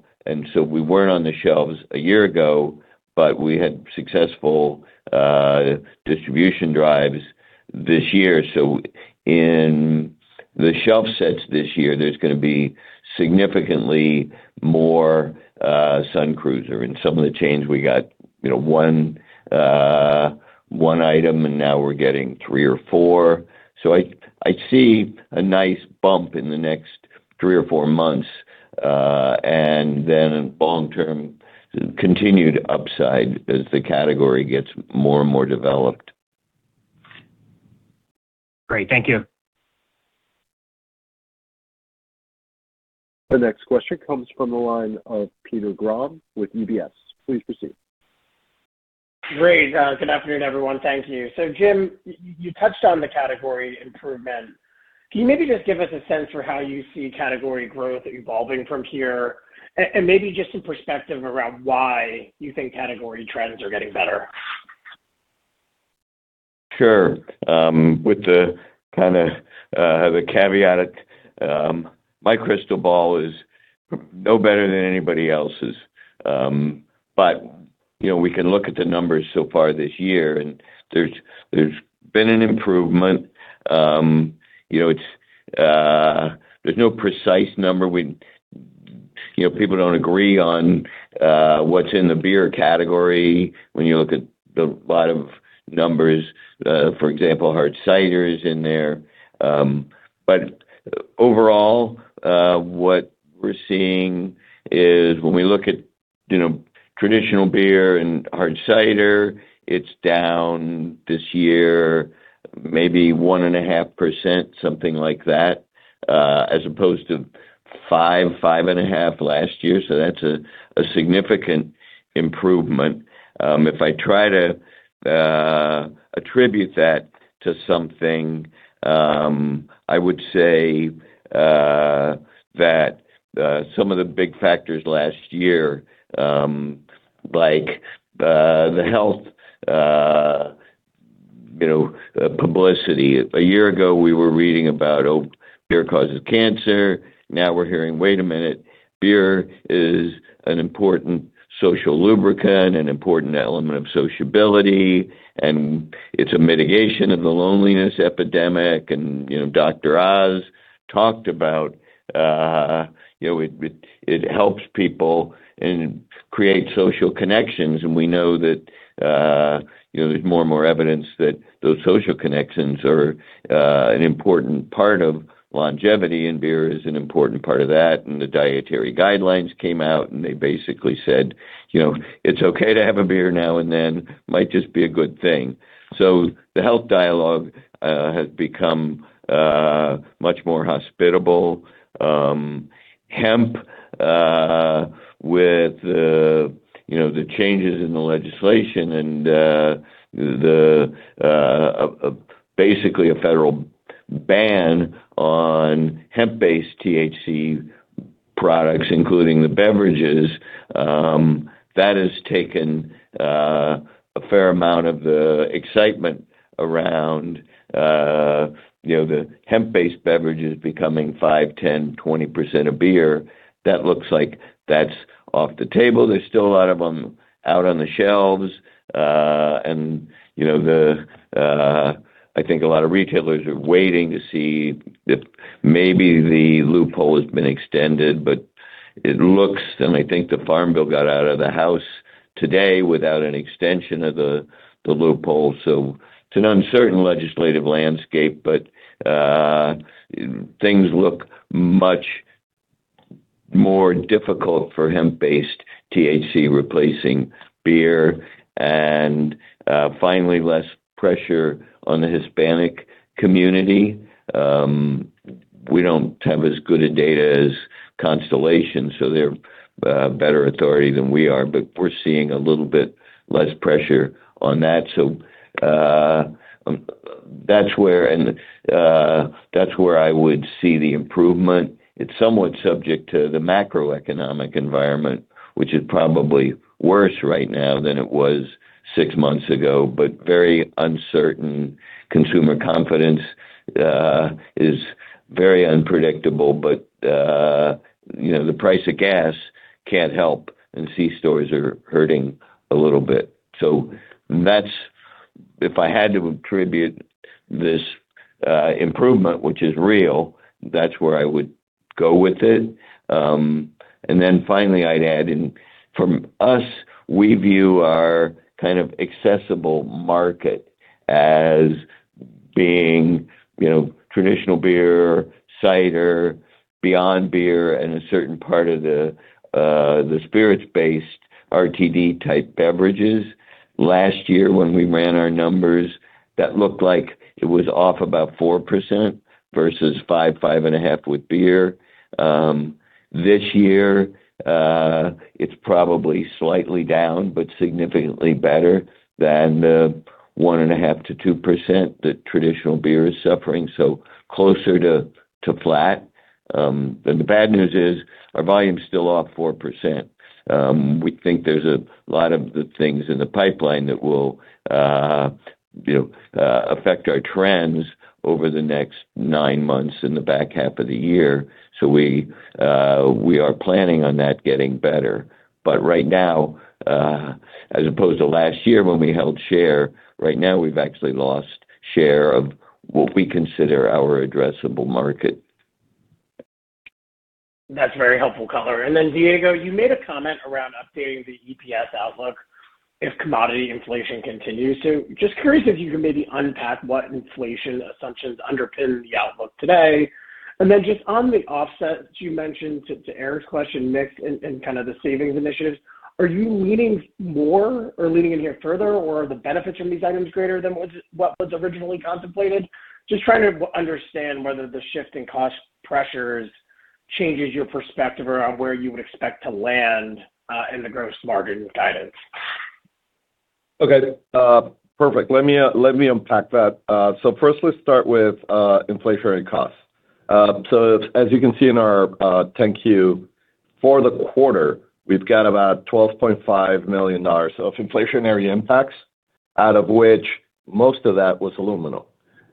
the shelves a year ago, but we had successful distribution drives this year. In the shelf sets this year, there's gonna be significantly more Sun Cruiser. In some of the chains we got, you know, one item, and now we're getting three or four. I see a nice bump in the next three or four months, and then long term continued upside as the category gets more and more developed. Great. Thank you. The next question comes from the line of Peter Grom with UBS. Please proceed. Great. Good afternoon, everyone. Thank you. Jim, you touched on the category improvement. Can you maybe just give us a sense for how you see category growth evolving from here and maybe just some perspective around why you think category trends are getting better? Sure. With the kind of caveat, my crystal ball is no better than anybody else's. You know, we can look at the numbers so far this year, and there's been an improvement. You know, it's, there's no precise number. You know, people don't agree on what's in the beer category when you look at the lot of numbers. For example, hard cider is in there. Overall, what we're seeing is when we look at traditional beer and hard cider, it's down this year, maybe 1.5%, something like that, as opposed to 5%, 5.5% last year. That's a significant improvement. If I try to attribute that to something, I would say that some of the big factors last year, like the health, you know, publicity. A year ago, we were reading about, oh, beer causes cancer. Now we're hearing, "Wait a minute, beer is an important social lubricant, an important element of sociability, and it's a mitigation of the loneliness epidemic." You know, Dr. Oz talked about, you know, it helps people and creates social connections. We know that, you know, there's more and more evidence that those social connections are an important part of longevity, and beer is an important part of that. The dietary guidelines came out, and they basically said, you know, "It's okay to have a beer now and then. Might just be a good thing. The health dialogue has become much more hospitable. Hemp, with, you know, the changes in the legislation and the basically a federal ban on hemp-based THC products, including the beverages, that has taken a fair amount of the excitement around, you know, the hemp-based beverages becoming 5%, 10%, 20% of beer. That looks like that's off the table. There's still a lot of them out on the shelves. You know, I think a lot of retailers are waiting to see if maybe the loophole has been extended, but it looks, and I think the Farm Bill got out of the House today without an extension of the loophole. It's an uncertain legislative landscape, but things look much more difficult for hemp-based THC replacing beer. Finally, less pressure on the Hispanic community. We don't have as good a data as Constellation, so they're a better authority than we are, but we're seeing a little bit less pressure on that. That's where and that's where I would see the improvement. It's somewhat subject to the macroeconomic environment, which is probably worse right now than it was six months ago, but very uncertain. Consumer confidence is very unpredictable. You know, the price of gas can't help, and C stores are hurting a little bit. If I had to attribute this improvement, which is real, that's where I would go with it. Finally, I'd add in from us, we view our kind of accessible market as being, you know, traditional beer, cider, beyond beer, and a certain part of the spirits-based RTD-type beverages. Last year when we ran our numbers, that looked like it was off about 4% versus 5%, 5.5% with beer. This year, it's probably slightly down, but significantly better than the 1.5%-2% that traditional beer is suffering, so closer to flat. The bad news is our volume's still off 4%. We think there's a lot of the things in the pipeline that will, you know, affect our trends over the next nine months in the back half of the year. We are planning on that getting better. Right now, as opposed to last year when we held share, right now we've actually lost share of what we consider our addressable market. That's very helpful color. Diego, you made a comment around updating the EPS outlook if commodity inflation continues. Just curious if you can maybe unpack what inflation assumptions underpin the outlook today. Just on the offset, you mentioned to Eric's question, mix and kind of the savings initiatives. Are you leaning more or leaning in here further, or are the benefits from these items greater than what was originally contemplated? Just trying to understand whether the shift in cost pressures changes your perspective around where you would expect to land in the gross margin guidance. Okay. Perfect. Let me unpack that. First let's start with inflationary costs. As you can see in our 10-Q, for the quarter, we've got about $12.5 million of inflationary impacts, out of which most of that was aluminum.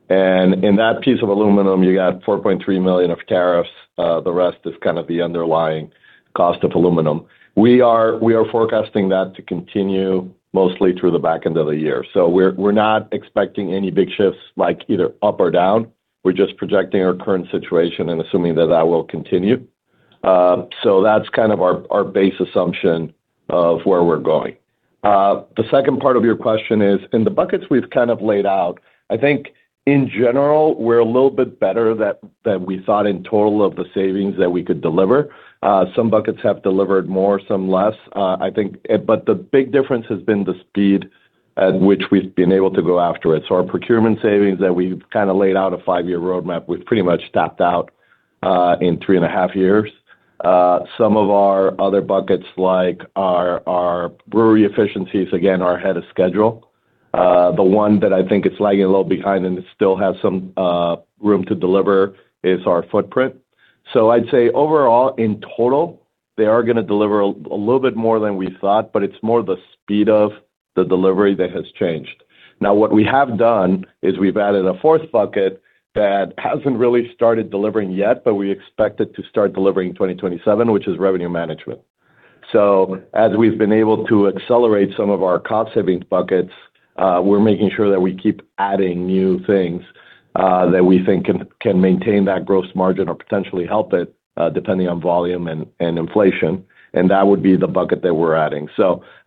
In that piece of aluminum, you got $4.3 million of tariffs. The rest is kind of the underlying cost of aluminum. We are forecasting that to continue mostly through the back end of the year. We're not expecting any big shifts like either up or down. We're just projecting our current situation and assuming that that will continue. That's kind of our base assumption of where we're going. The second part of your question is, in the buckets we've kind of laid out, I think in general, we're a little bit better that we thought in total of the savings that we could deliver. Some buckets have delivered more, some less. The big difference has been the speed at which we've been able to go after it. Our procurement savings that we've kind of laid out a five-year roadmap, we've pretty much tapped out in three and a half years. Some of our other buckets, like our brewery efficiencies, again, are ahead of schedule. The one that I think is lagging a little behind and it still has some room to deliver is our footprint. I'd say overall, in total, they are gonna deliver a little bit more than we thought, but it's more the speed of the delivery that has changed. What we have done is we've added a fourth bucket that hasn't really started delivering yet, but we expect it to start delivering in 2027, which is revenue management. As we've been able to accelerate some of our cost savings buckets, we're making sure that we keep adding new things that we think can maintain that gross margin or potentially help it depending on volume and inflation, and that would be the bucket that we're adding.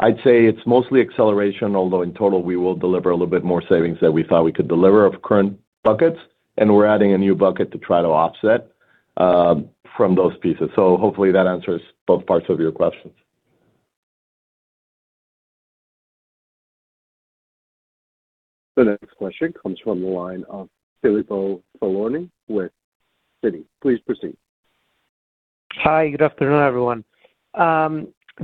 I'd say it's mostly acceleration, although in total, we will deliver a little bit more savings than we thought we could deliver of current buckets, and we're adding a new bucket to try to offset from those pieces. Hopefully that answers both parts of your questions. The next question comes from the line of Filippo Falorni with Citigroup. Please proceed. Hi. Good afternoon, everyone.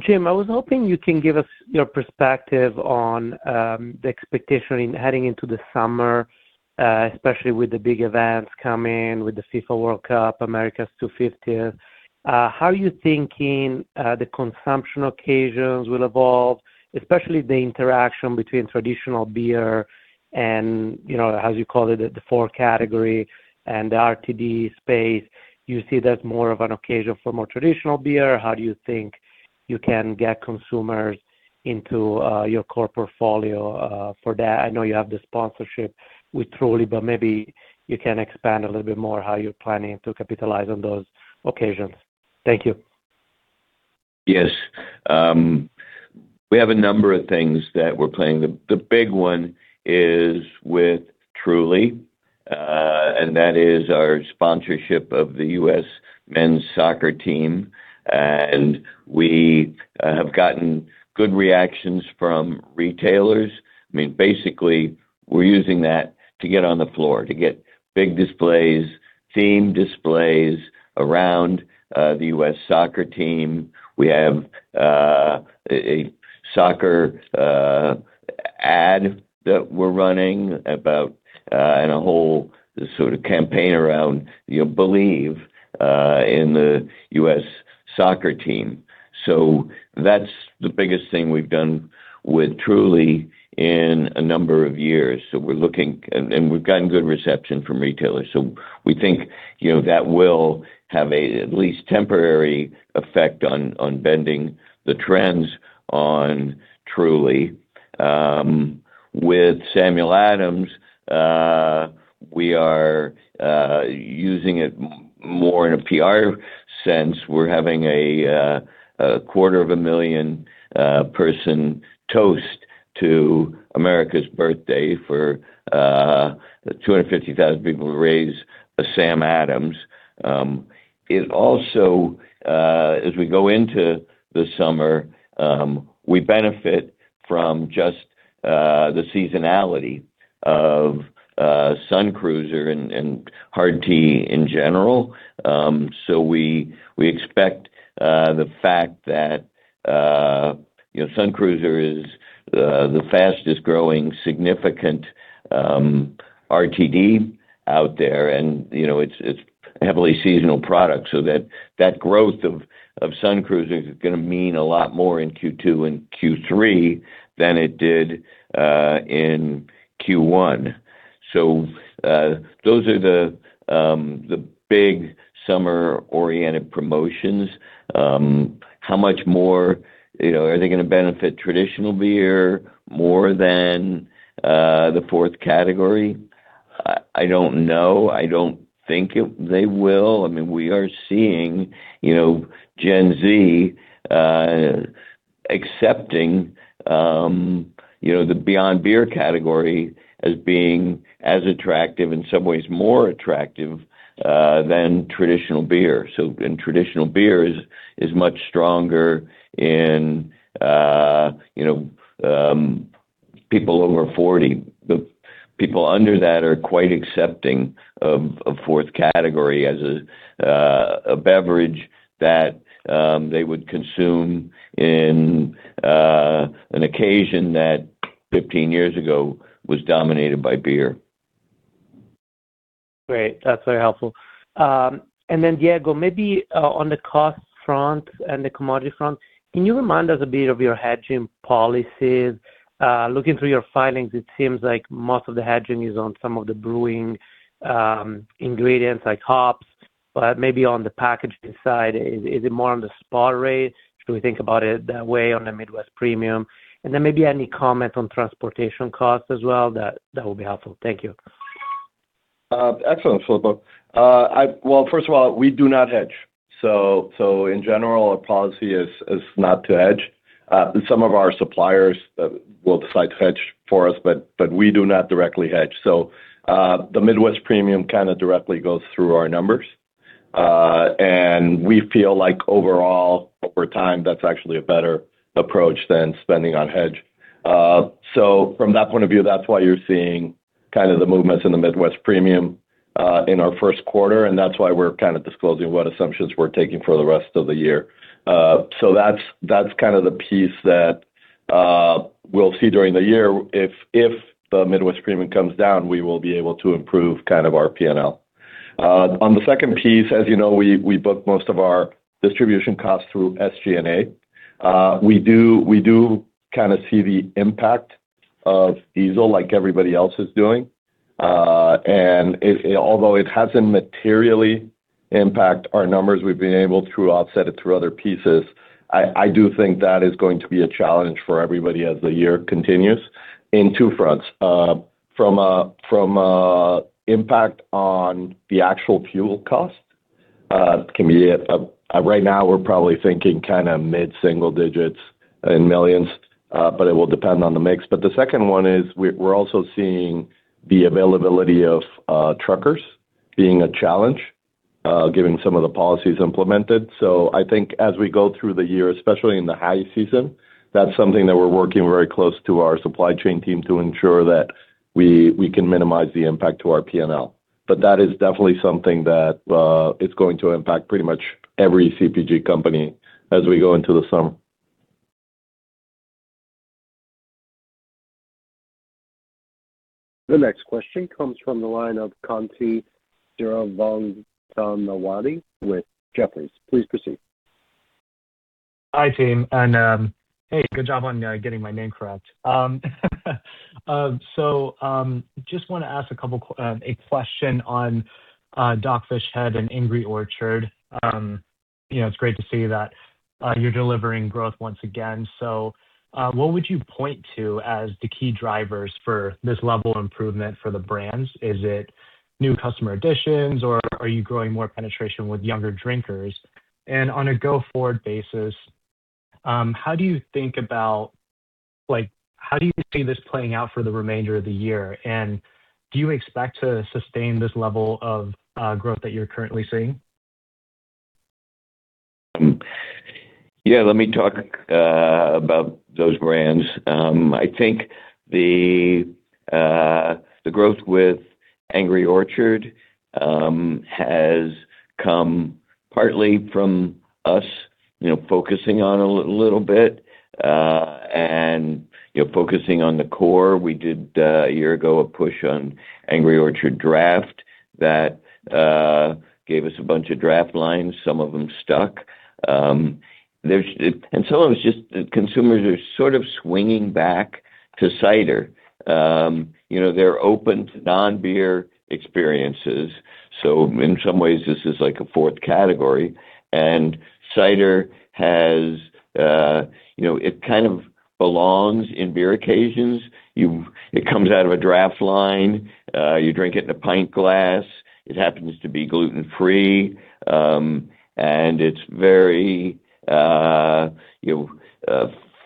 Jim, I was hoping you can give us your perspective on the expectation in heading into the summer, especially with the big events coming, with the FIFA World Cup, Americas [2 fifth tier]. How are you thinking the consumption occasions will evolve, especially the interaction between traditional beer and, you know, as you call it, the fourth category and the RTD space? You see that more of an occasion for more traditional beer? How do you think you can get consumers into your core portfolio for that? I know you have the sponsorship with Truly, but maybe you can expand a little bit more how you're planning to capitalize on those occasions. Thank you. Yes. We have a number of things that we're planning. The big one is with Truly, that is our sponsorship of the U.S. men's national soccer team. We have gotten good reactions from retailers. I mean, basically, we're using that to get on the floor, to get big displays, team displays around the U.S. Soccer team. We have a soccer ad that we're running about and a whole sort of campaign around, you know, believe in the U.S. Soccer team. That's the biggest thing we've done with Truly in a number of years. We've gotten good reception from retailers. We think, you know, that will have a at least temporary effect on bending the trends on Truly. With Samuel Adams, we are using it more in a PR sense. We're having a quarter of a million person toast to America's birthday for 250,000 people to raise a Sam Adams. It also, as we go into the summer, we benefit from just the seasonality of Sun Cruiser and hard tea in general. We expect the fact that, you know, Sun Cruiser is the fastest-growing significant RTD out there, and, you know, it's a heavily seasonal product, so that growth of Sun Cruiser is gonna mean a lot more in Q2 and Q3 than it did in Q1. Those are the big summer-oriented promotions. How much more, you know, are they gonna benefit traditional beer more than the fourth category? I don't know. I don't think they will. I mean, we are seeing, you know, Gen Z accepting, you know, the beyond beer category as being as attractive, in some ways more attractive, than traditional beer. Traditional beer is much stronger in, you know, people over 40. The people under that are quite accepting of fourth category as a beverage that they would consume in an occasion that 15 years ago was dominated by beer. Great. That's very helpful. Then, Diego, maybe, on the cost front and the commodity front, can you remind us a bit of your hedging policies? Looking through your filings, it seems like most of the hedging is on some of the brewing ingredients like hops, but maybe on the packaging side, is it more on the spot rate? Should we think about it that way on the Midwest premium? Then maybe any comment on transportation costs as well, that would be helpful. Thank you. Excellent, Filippo. Well, first of all, we do not hedge. In general, our policy is not to hedge. Some of our suppliers will decide to hedge for us, but we do not directly hedge. The Midwest premium kind of directly goes through our numbers. And we feel like overall, over time, that's actually a better approach than spending on hedge. From that point of view, that's why you're seeing kind of the movements in the Midwest premium in our first quarter, and that's why we're kind of disclosing what assumptions we're taking for the rest of the year. That's kind of the piece that we'll see during the year. If the Midwest premium comes down, we will be able to improve kind of our P&L. On the second piece, as you know, we book most of our distribution costs through SG&A. We do kind of see the impact of diesel like everybody else is doing. Although it hasn't materially impact our numbers, we've been able to offset it through other pieces. I do think that is going to be a challenge for everybody as the year continues in two fronts. From a impact on the actual fuel cost, can be at, right now we're probably thinking kind of mid-single digits in millions, but it will depend on the mix. The second one is we're also seeing the availability of truckers being a challenge, given some of the policies implemented. I think as we go through the year, especially in the high season, that's something that we're working very close to our supply chain team to ensure that we can minimize the impact to our P&L. That is definitely something that is going to impact pretty much every CPG company as we go into the summer. The next question comes from the line of Kaumil Gajrawala with Jefferies. Please proceed. Hi, team. Hey, good job on getting my name correct. Just want to ask a question on Dogfish Head and Angry Orchard. You know, it's great to see that you're delivering growth once again. What would you point to as the key drivers for this level of improvement for the brands? Is it new customer additions, or are you growing more penetration with younger drinkers? On a go-forward basis, how do you think about, like, how do you see this playing out for the remainder of the year? Do you expect to sustain this level of growth that you're currently seeing? Let me talk about those brands. I think the growth with Angry Orchard has come partly from us, you know, focusing on a little bit, and, you know, focusing on the core. We did a year ago, a push on Angry Orchard Draft that gave us a bunch of draft lines. Some of them stuck. Some of it's just consumers are sort of swinging back to cider. You know, they're open to non-beer experiences, so in some ways, this is like a fourth category. Cider has, you know, it kind of belongs in beer occasions. It comes out of a draft line. You drink it in a pint glass. It happens to be gluten-free. It's very, you know,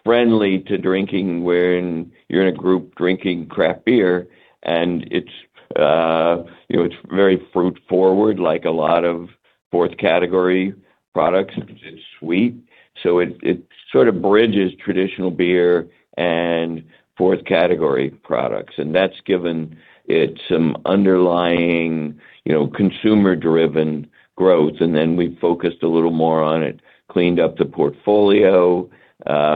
friendly to drinking when you're in a group drinking craft beer. It's, you know, it's very fruit-forward, like a lot of fourth category products. It's sweet. It sort of bridges traditional beer and fourth category products, and that's given it some underlying, you know, consumer-driven growth. We focused a little more on it, cleaned up the portfolio.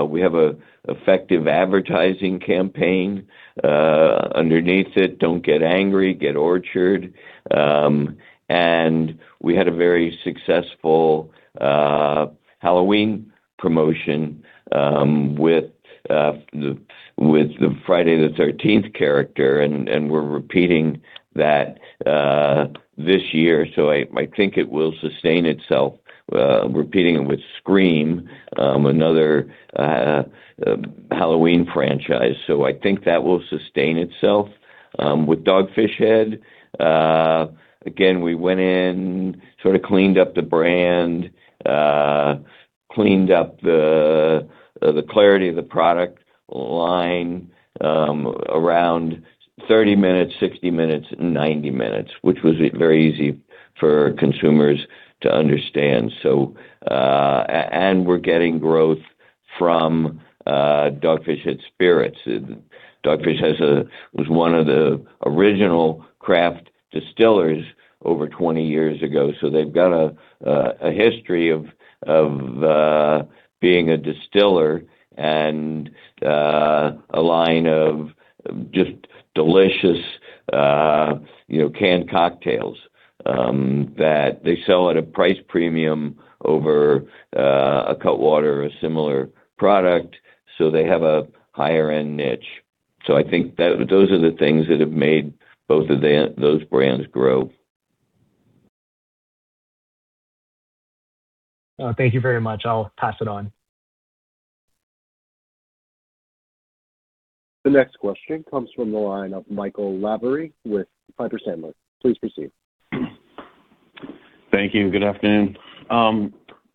We have an effective advertising campaign underneath it, "Don't Get Angry, Get Orchard." We had a very successful Halloween promotion with the Friday the 13th character, and we're repeating that this year, I think it will sustain itself, repeating it with Scream, another Halloween franchise. I think that will sustain itself. With Dogfish Head, again, we went in, sort of cleaned up the brand, cleaned up the clarity of the product line, around 30 minutes, 60 minutes, 90 minutes, which was very easy for consumers to understand. And we're getting growth from Dogfish Head Spirits. Dogfish was one of the original craft distillers over 20 years ago, they've got a history of, uh, being a distiller and, a line of just delicious, you know, canned cocktails that they sell at a price premium over a Cutwater or a similar product, they have a higher end niche. I think that those are the things that have made both of those brands grow. Thank you very much. I'll pass it on. The next question comes from the line of Michael Lavery with Piper Sandler. Please proceed. Thank you. Good afternoon.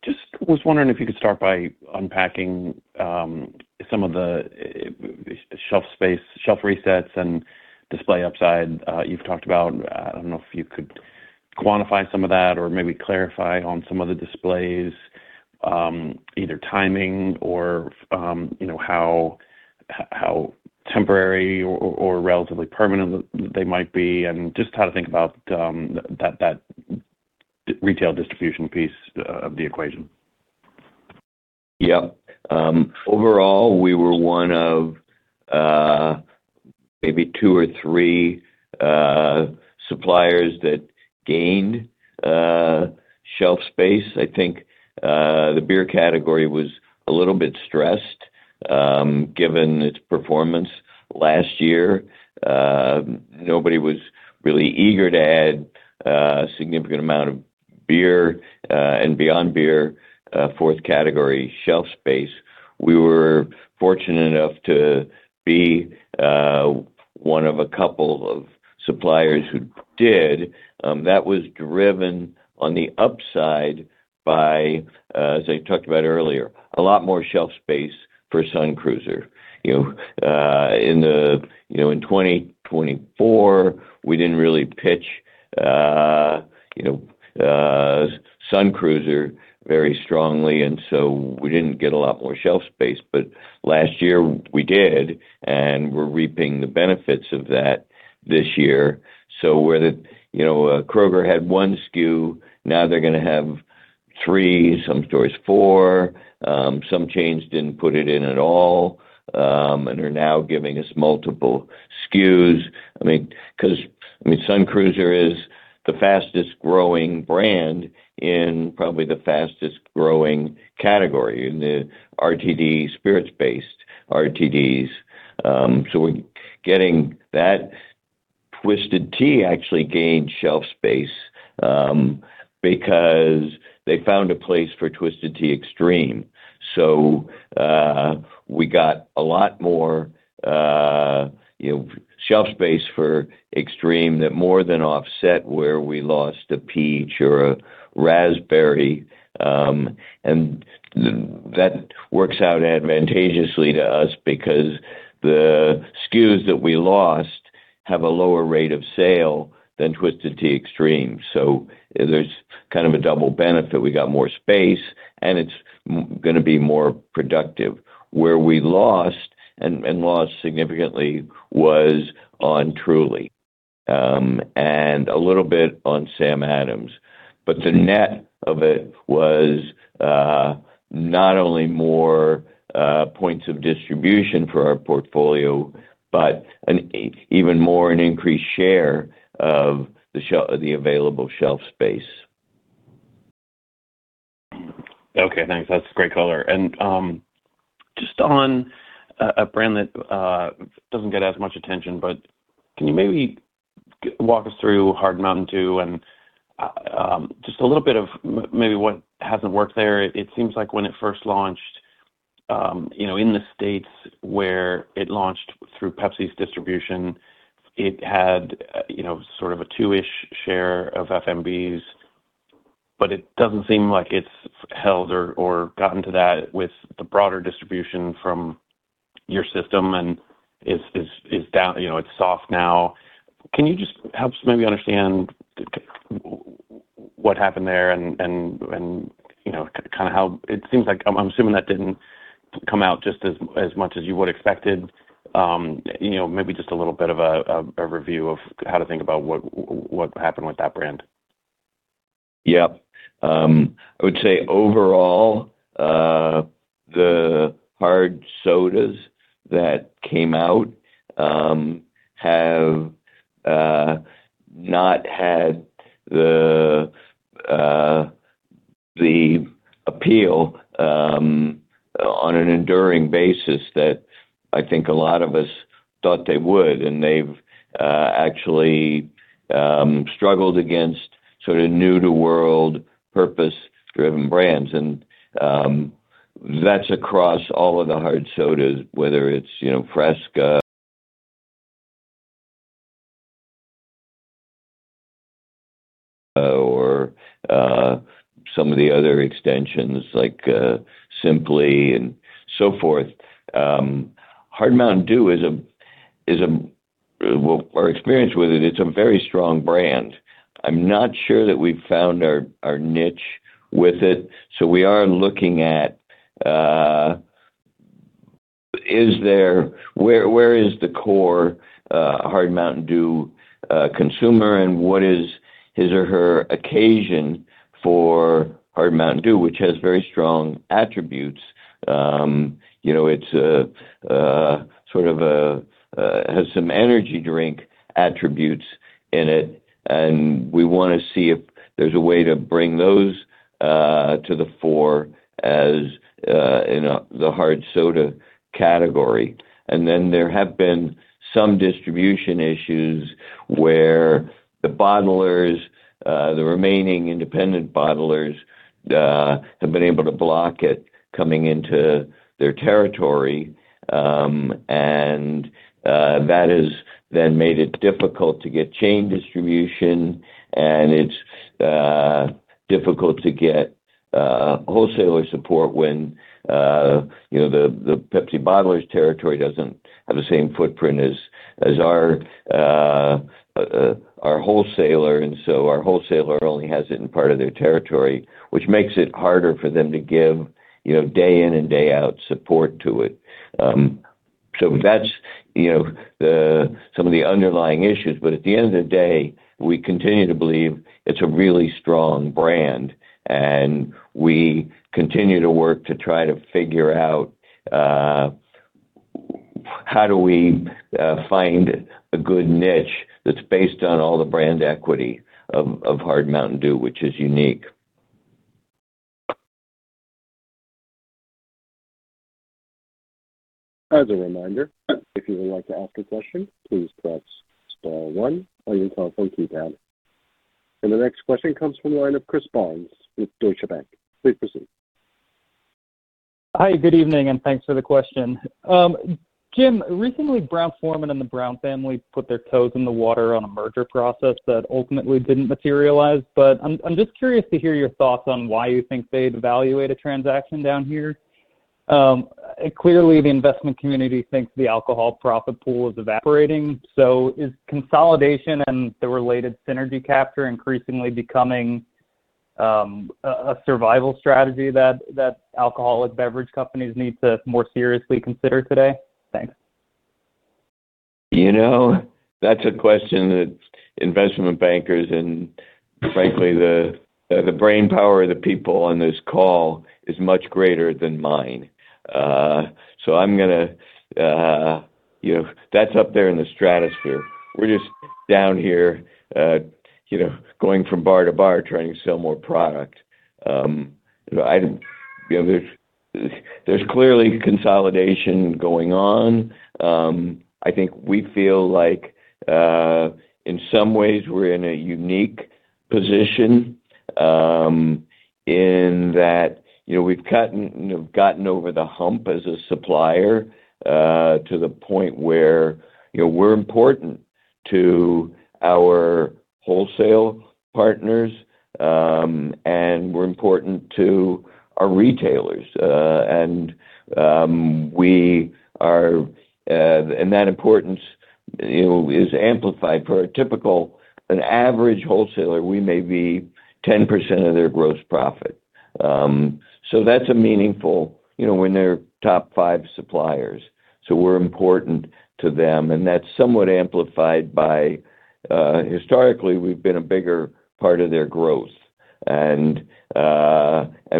Just was wondering if you could start by unpacking some of the shelf space, shelf resets and display upside you've talked about. I don't know if you could quantify some of that or maybe clarify on some of the displays, either timing or, you know, how temporary or relatively permanent they might be, and just how to think about that retail distribution piece of the equation. Yeah. Overall, we were one of, maybe two or three suppliers that gained shelf space. I think the beer category was a little bit stressed, given its performance last year. Nobody was really eager to add significant amount of beer and beyond beer, fourth category shelf space. We were fortunate enough to be one of a couple of suppliers who did. That was driven on the upside by, as I talked about earlier, a lot more shelf space for Sun Cruiser. You know, in the, you know, in 2024, we didn't really pitch, you know, Sun Cruiser very strongly, and so we didn't get a lot more shelf space. Last year, we did, and we're reaping the benefits of that this year. Where the, you know, Kroger had one SKU, now they're going to have thee, some stores four. Some chains didn't put it in at all, and are now giving us multiple SKUs. I mean, because, I mean, Sun Cruiser is the fastest-growing brand in probably the fastest-growing category in the RTD, spirits-based RTDs. We're getting that. Twisted Tea actually gained shelf space, because they found a place for Twisted Tea Extreme. We got a lot more, you know, shelf space for Extreme that more than offset where we lost a peach or a raspberry. And that works out advantageously to us because the SKUs that we lost have a lower rate of sale than Twisted Tea Extreme. There's kind of a double benefit. We got more space, and it's going to be more productive. Where we lost, and lost significantly, was on Truly, and a little bit on Samuel Adams. The net of it was, not only more points of distribution for our portfolio, but even more an increased share of the available shelf space. Okay, thanks. That's a great color. Just on a brand that doesn't get as much attention, but can you maybe walk Hard MTN DEW and just a little bit of maybe what hasn't worked there? It seems like when it first launched, you know, in the states where it launched through PepsiCo's distribution, it had, you know, sort of a two-ish share of FMBs, but it doesn't seem like it's held or gotten to that with the broader distribution from your system and is down, you know, it's soft now. Can you just help us maybe understand what happened there and, you know, kind of how I'm assuming that didn't come out as much as you would've expected. You know, maybe just a little bit of a review of how to think about what happened with that brand. Yeah. I would say overall, the hard sodas that came out, have not had the appeal on an enduring basis that I think a lot of us thought they would. They've actually struggled against sort of new to world purpose-driven brands. That's across all of the hard sodas, whether it's, you know, Fresca or some of the other extensions like Simply and so forth. Well, our experience with it's a very strong brand. I'm not sure that we've found our niche with it, so we are looking at where is Hard MTN DEW consumer, and what is his or her Hard MTN DEW, which has very strong attributes. You know, it's a sort of a has some energy drink attributes in it, and we wanna see if there's a way to bring those to the fore as in the hard soda category. There have been some distribution issues where the remaining independent bottlers have been able to block it coming into their territory. That has then made it difficult to get chain distribution, and it's difficult to get wholesaler support when, you know, the Pepsi bottlers territory doesn't have the same footprint as our wholesaler. Our wholesaler only has it in part of their territory, which makes it harder for them to give, you know, day in and day out support to it. That's, you know, some of the underlying issues. At the end of the day, we continue to believe it's a really strong brand, and we continue to work to try to figure out, how do we find a good niche that's based on all the brand Hard MTN DEW, which is unique. As a reminder, if you would like to ask a question, please press star one on your telephone keypad. The next question comes from the line of Chris Barnes with Deutsche Bank. Please proceed. Hi, good evening, and thanks for the question. Jim, recently Brown-Forman and the Brown family put their toes in the water on a merger process that ultimately didn't materialize. I'm just curious to hear your thoughts on why you think they'd evaluate a transaction down here? Clearly, the investment community thinks the alcohol profit pool is evaporating. Is consolidation and the related synergy capture increasingly becoming a survival strategy that alcoholic beverage companies need to more seriously consider today? Thanks. You know, that's a question that investment bankers and frankly, the brain power of the people on this call is much greater than mine. That's up there in the stratosphere. We're just down here, you know, going from bar to bar trying to sell more product. I, you know, there's clearly consolidation going on. I think we feel like, in some ways we're in a unique position, in that, you know, we've gotten, you know, gotten over the hump as a supplier, to the point where, you know, we're important to our wholesale partners, and we're important to our retailers. That importance, you know, is amplified. For a typical, an average wholesaler, we may be 10% of their gross profit. That's a meaningful, you know, we're in their top five suppliers, so we're important to them. That's somewhat amplified by historically, we've been a bigger part of their growth.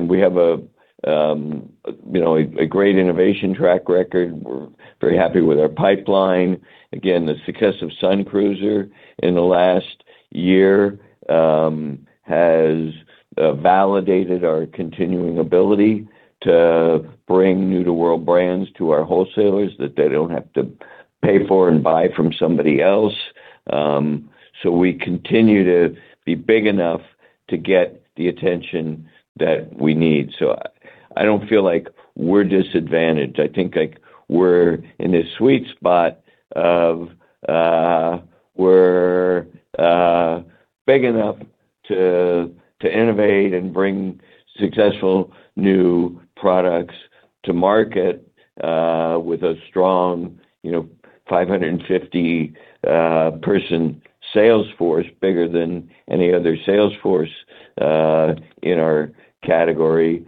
We have a, you know, a great innovation track record. We're very happy with our pipeline. Again, the success of Sun Cruiser in the last year has validated our continuing ability to bring new-to-world brands to our wholesalers that they don't have to pay for and buy from somebody else. We continue to be big enough to get the attention that we need. I don't feel like we're disadvantaged. I think, like we're in this sweet spot of, we're big enough to innovate and bring successful new products to market, with a strong, you know, 550-person sales force, bigger than any other sales force, in our category.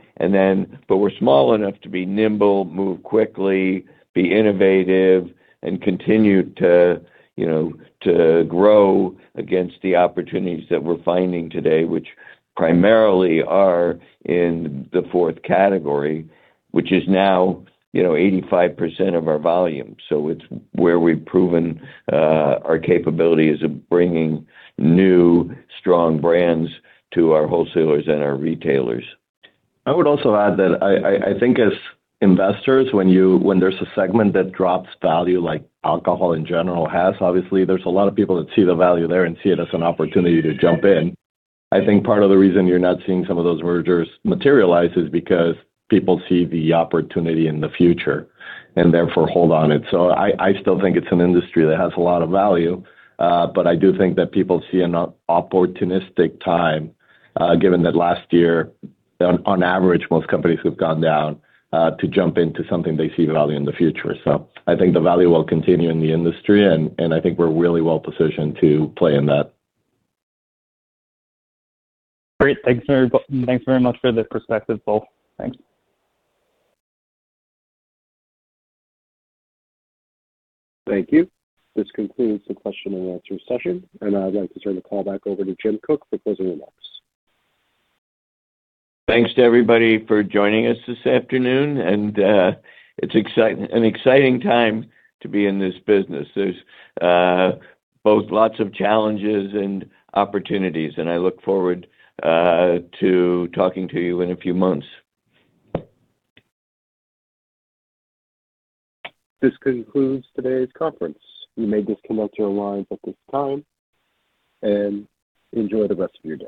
We're small enough to be nimble, move quickly, be innovative, and continue to, you know, to grow against the opportunities that we're finding today, which primarily are in the fourth category, which is now, you know, 85% of our volume. It's where we've proven, our capabilities of bringing new, strong brands to our wholesalers and our retailers. I would also add that I think as investors, when there's a segment that drops value like alcohol in general has, obviously there's a lot of people that see the value there and see it as an opportunity to jump in. I think part of the reason you're not seeing some of those mergers materialize is because people see the opportunity in the future and therefore hold on it. I still think it's an industry that has a lot of value. I do think that people see an opportunistic time, given that last year, on average, most companies have gone down to jump into something they see value in the future. I think the value will continue in the industry, and I think we're really well-positioned to play in that. Great. Thanks very much for the perspective, both. Thanks. Thank you. This concludes the question-and-answer session, and I'd like to turn the call back over to Jim Koch for closing remarks. Thanks to everybody for joining us this afternoon, and it's an exciting time to be in this business. There's both lots of challenges and opportunities, and I look forward to talking to you in a few months. This concludes today's conference. You may disconnect your lines at this time, and enjoy the rest of your day.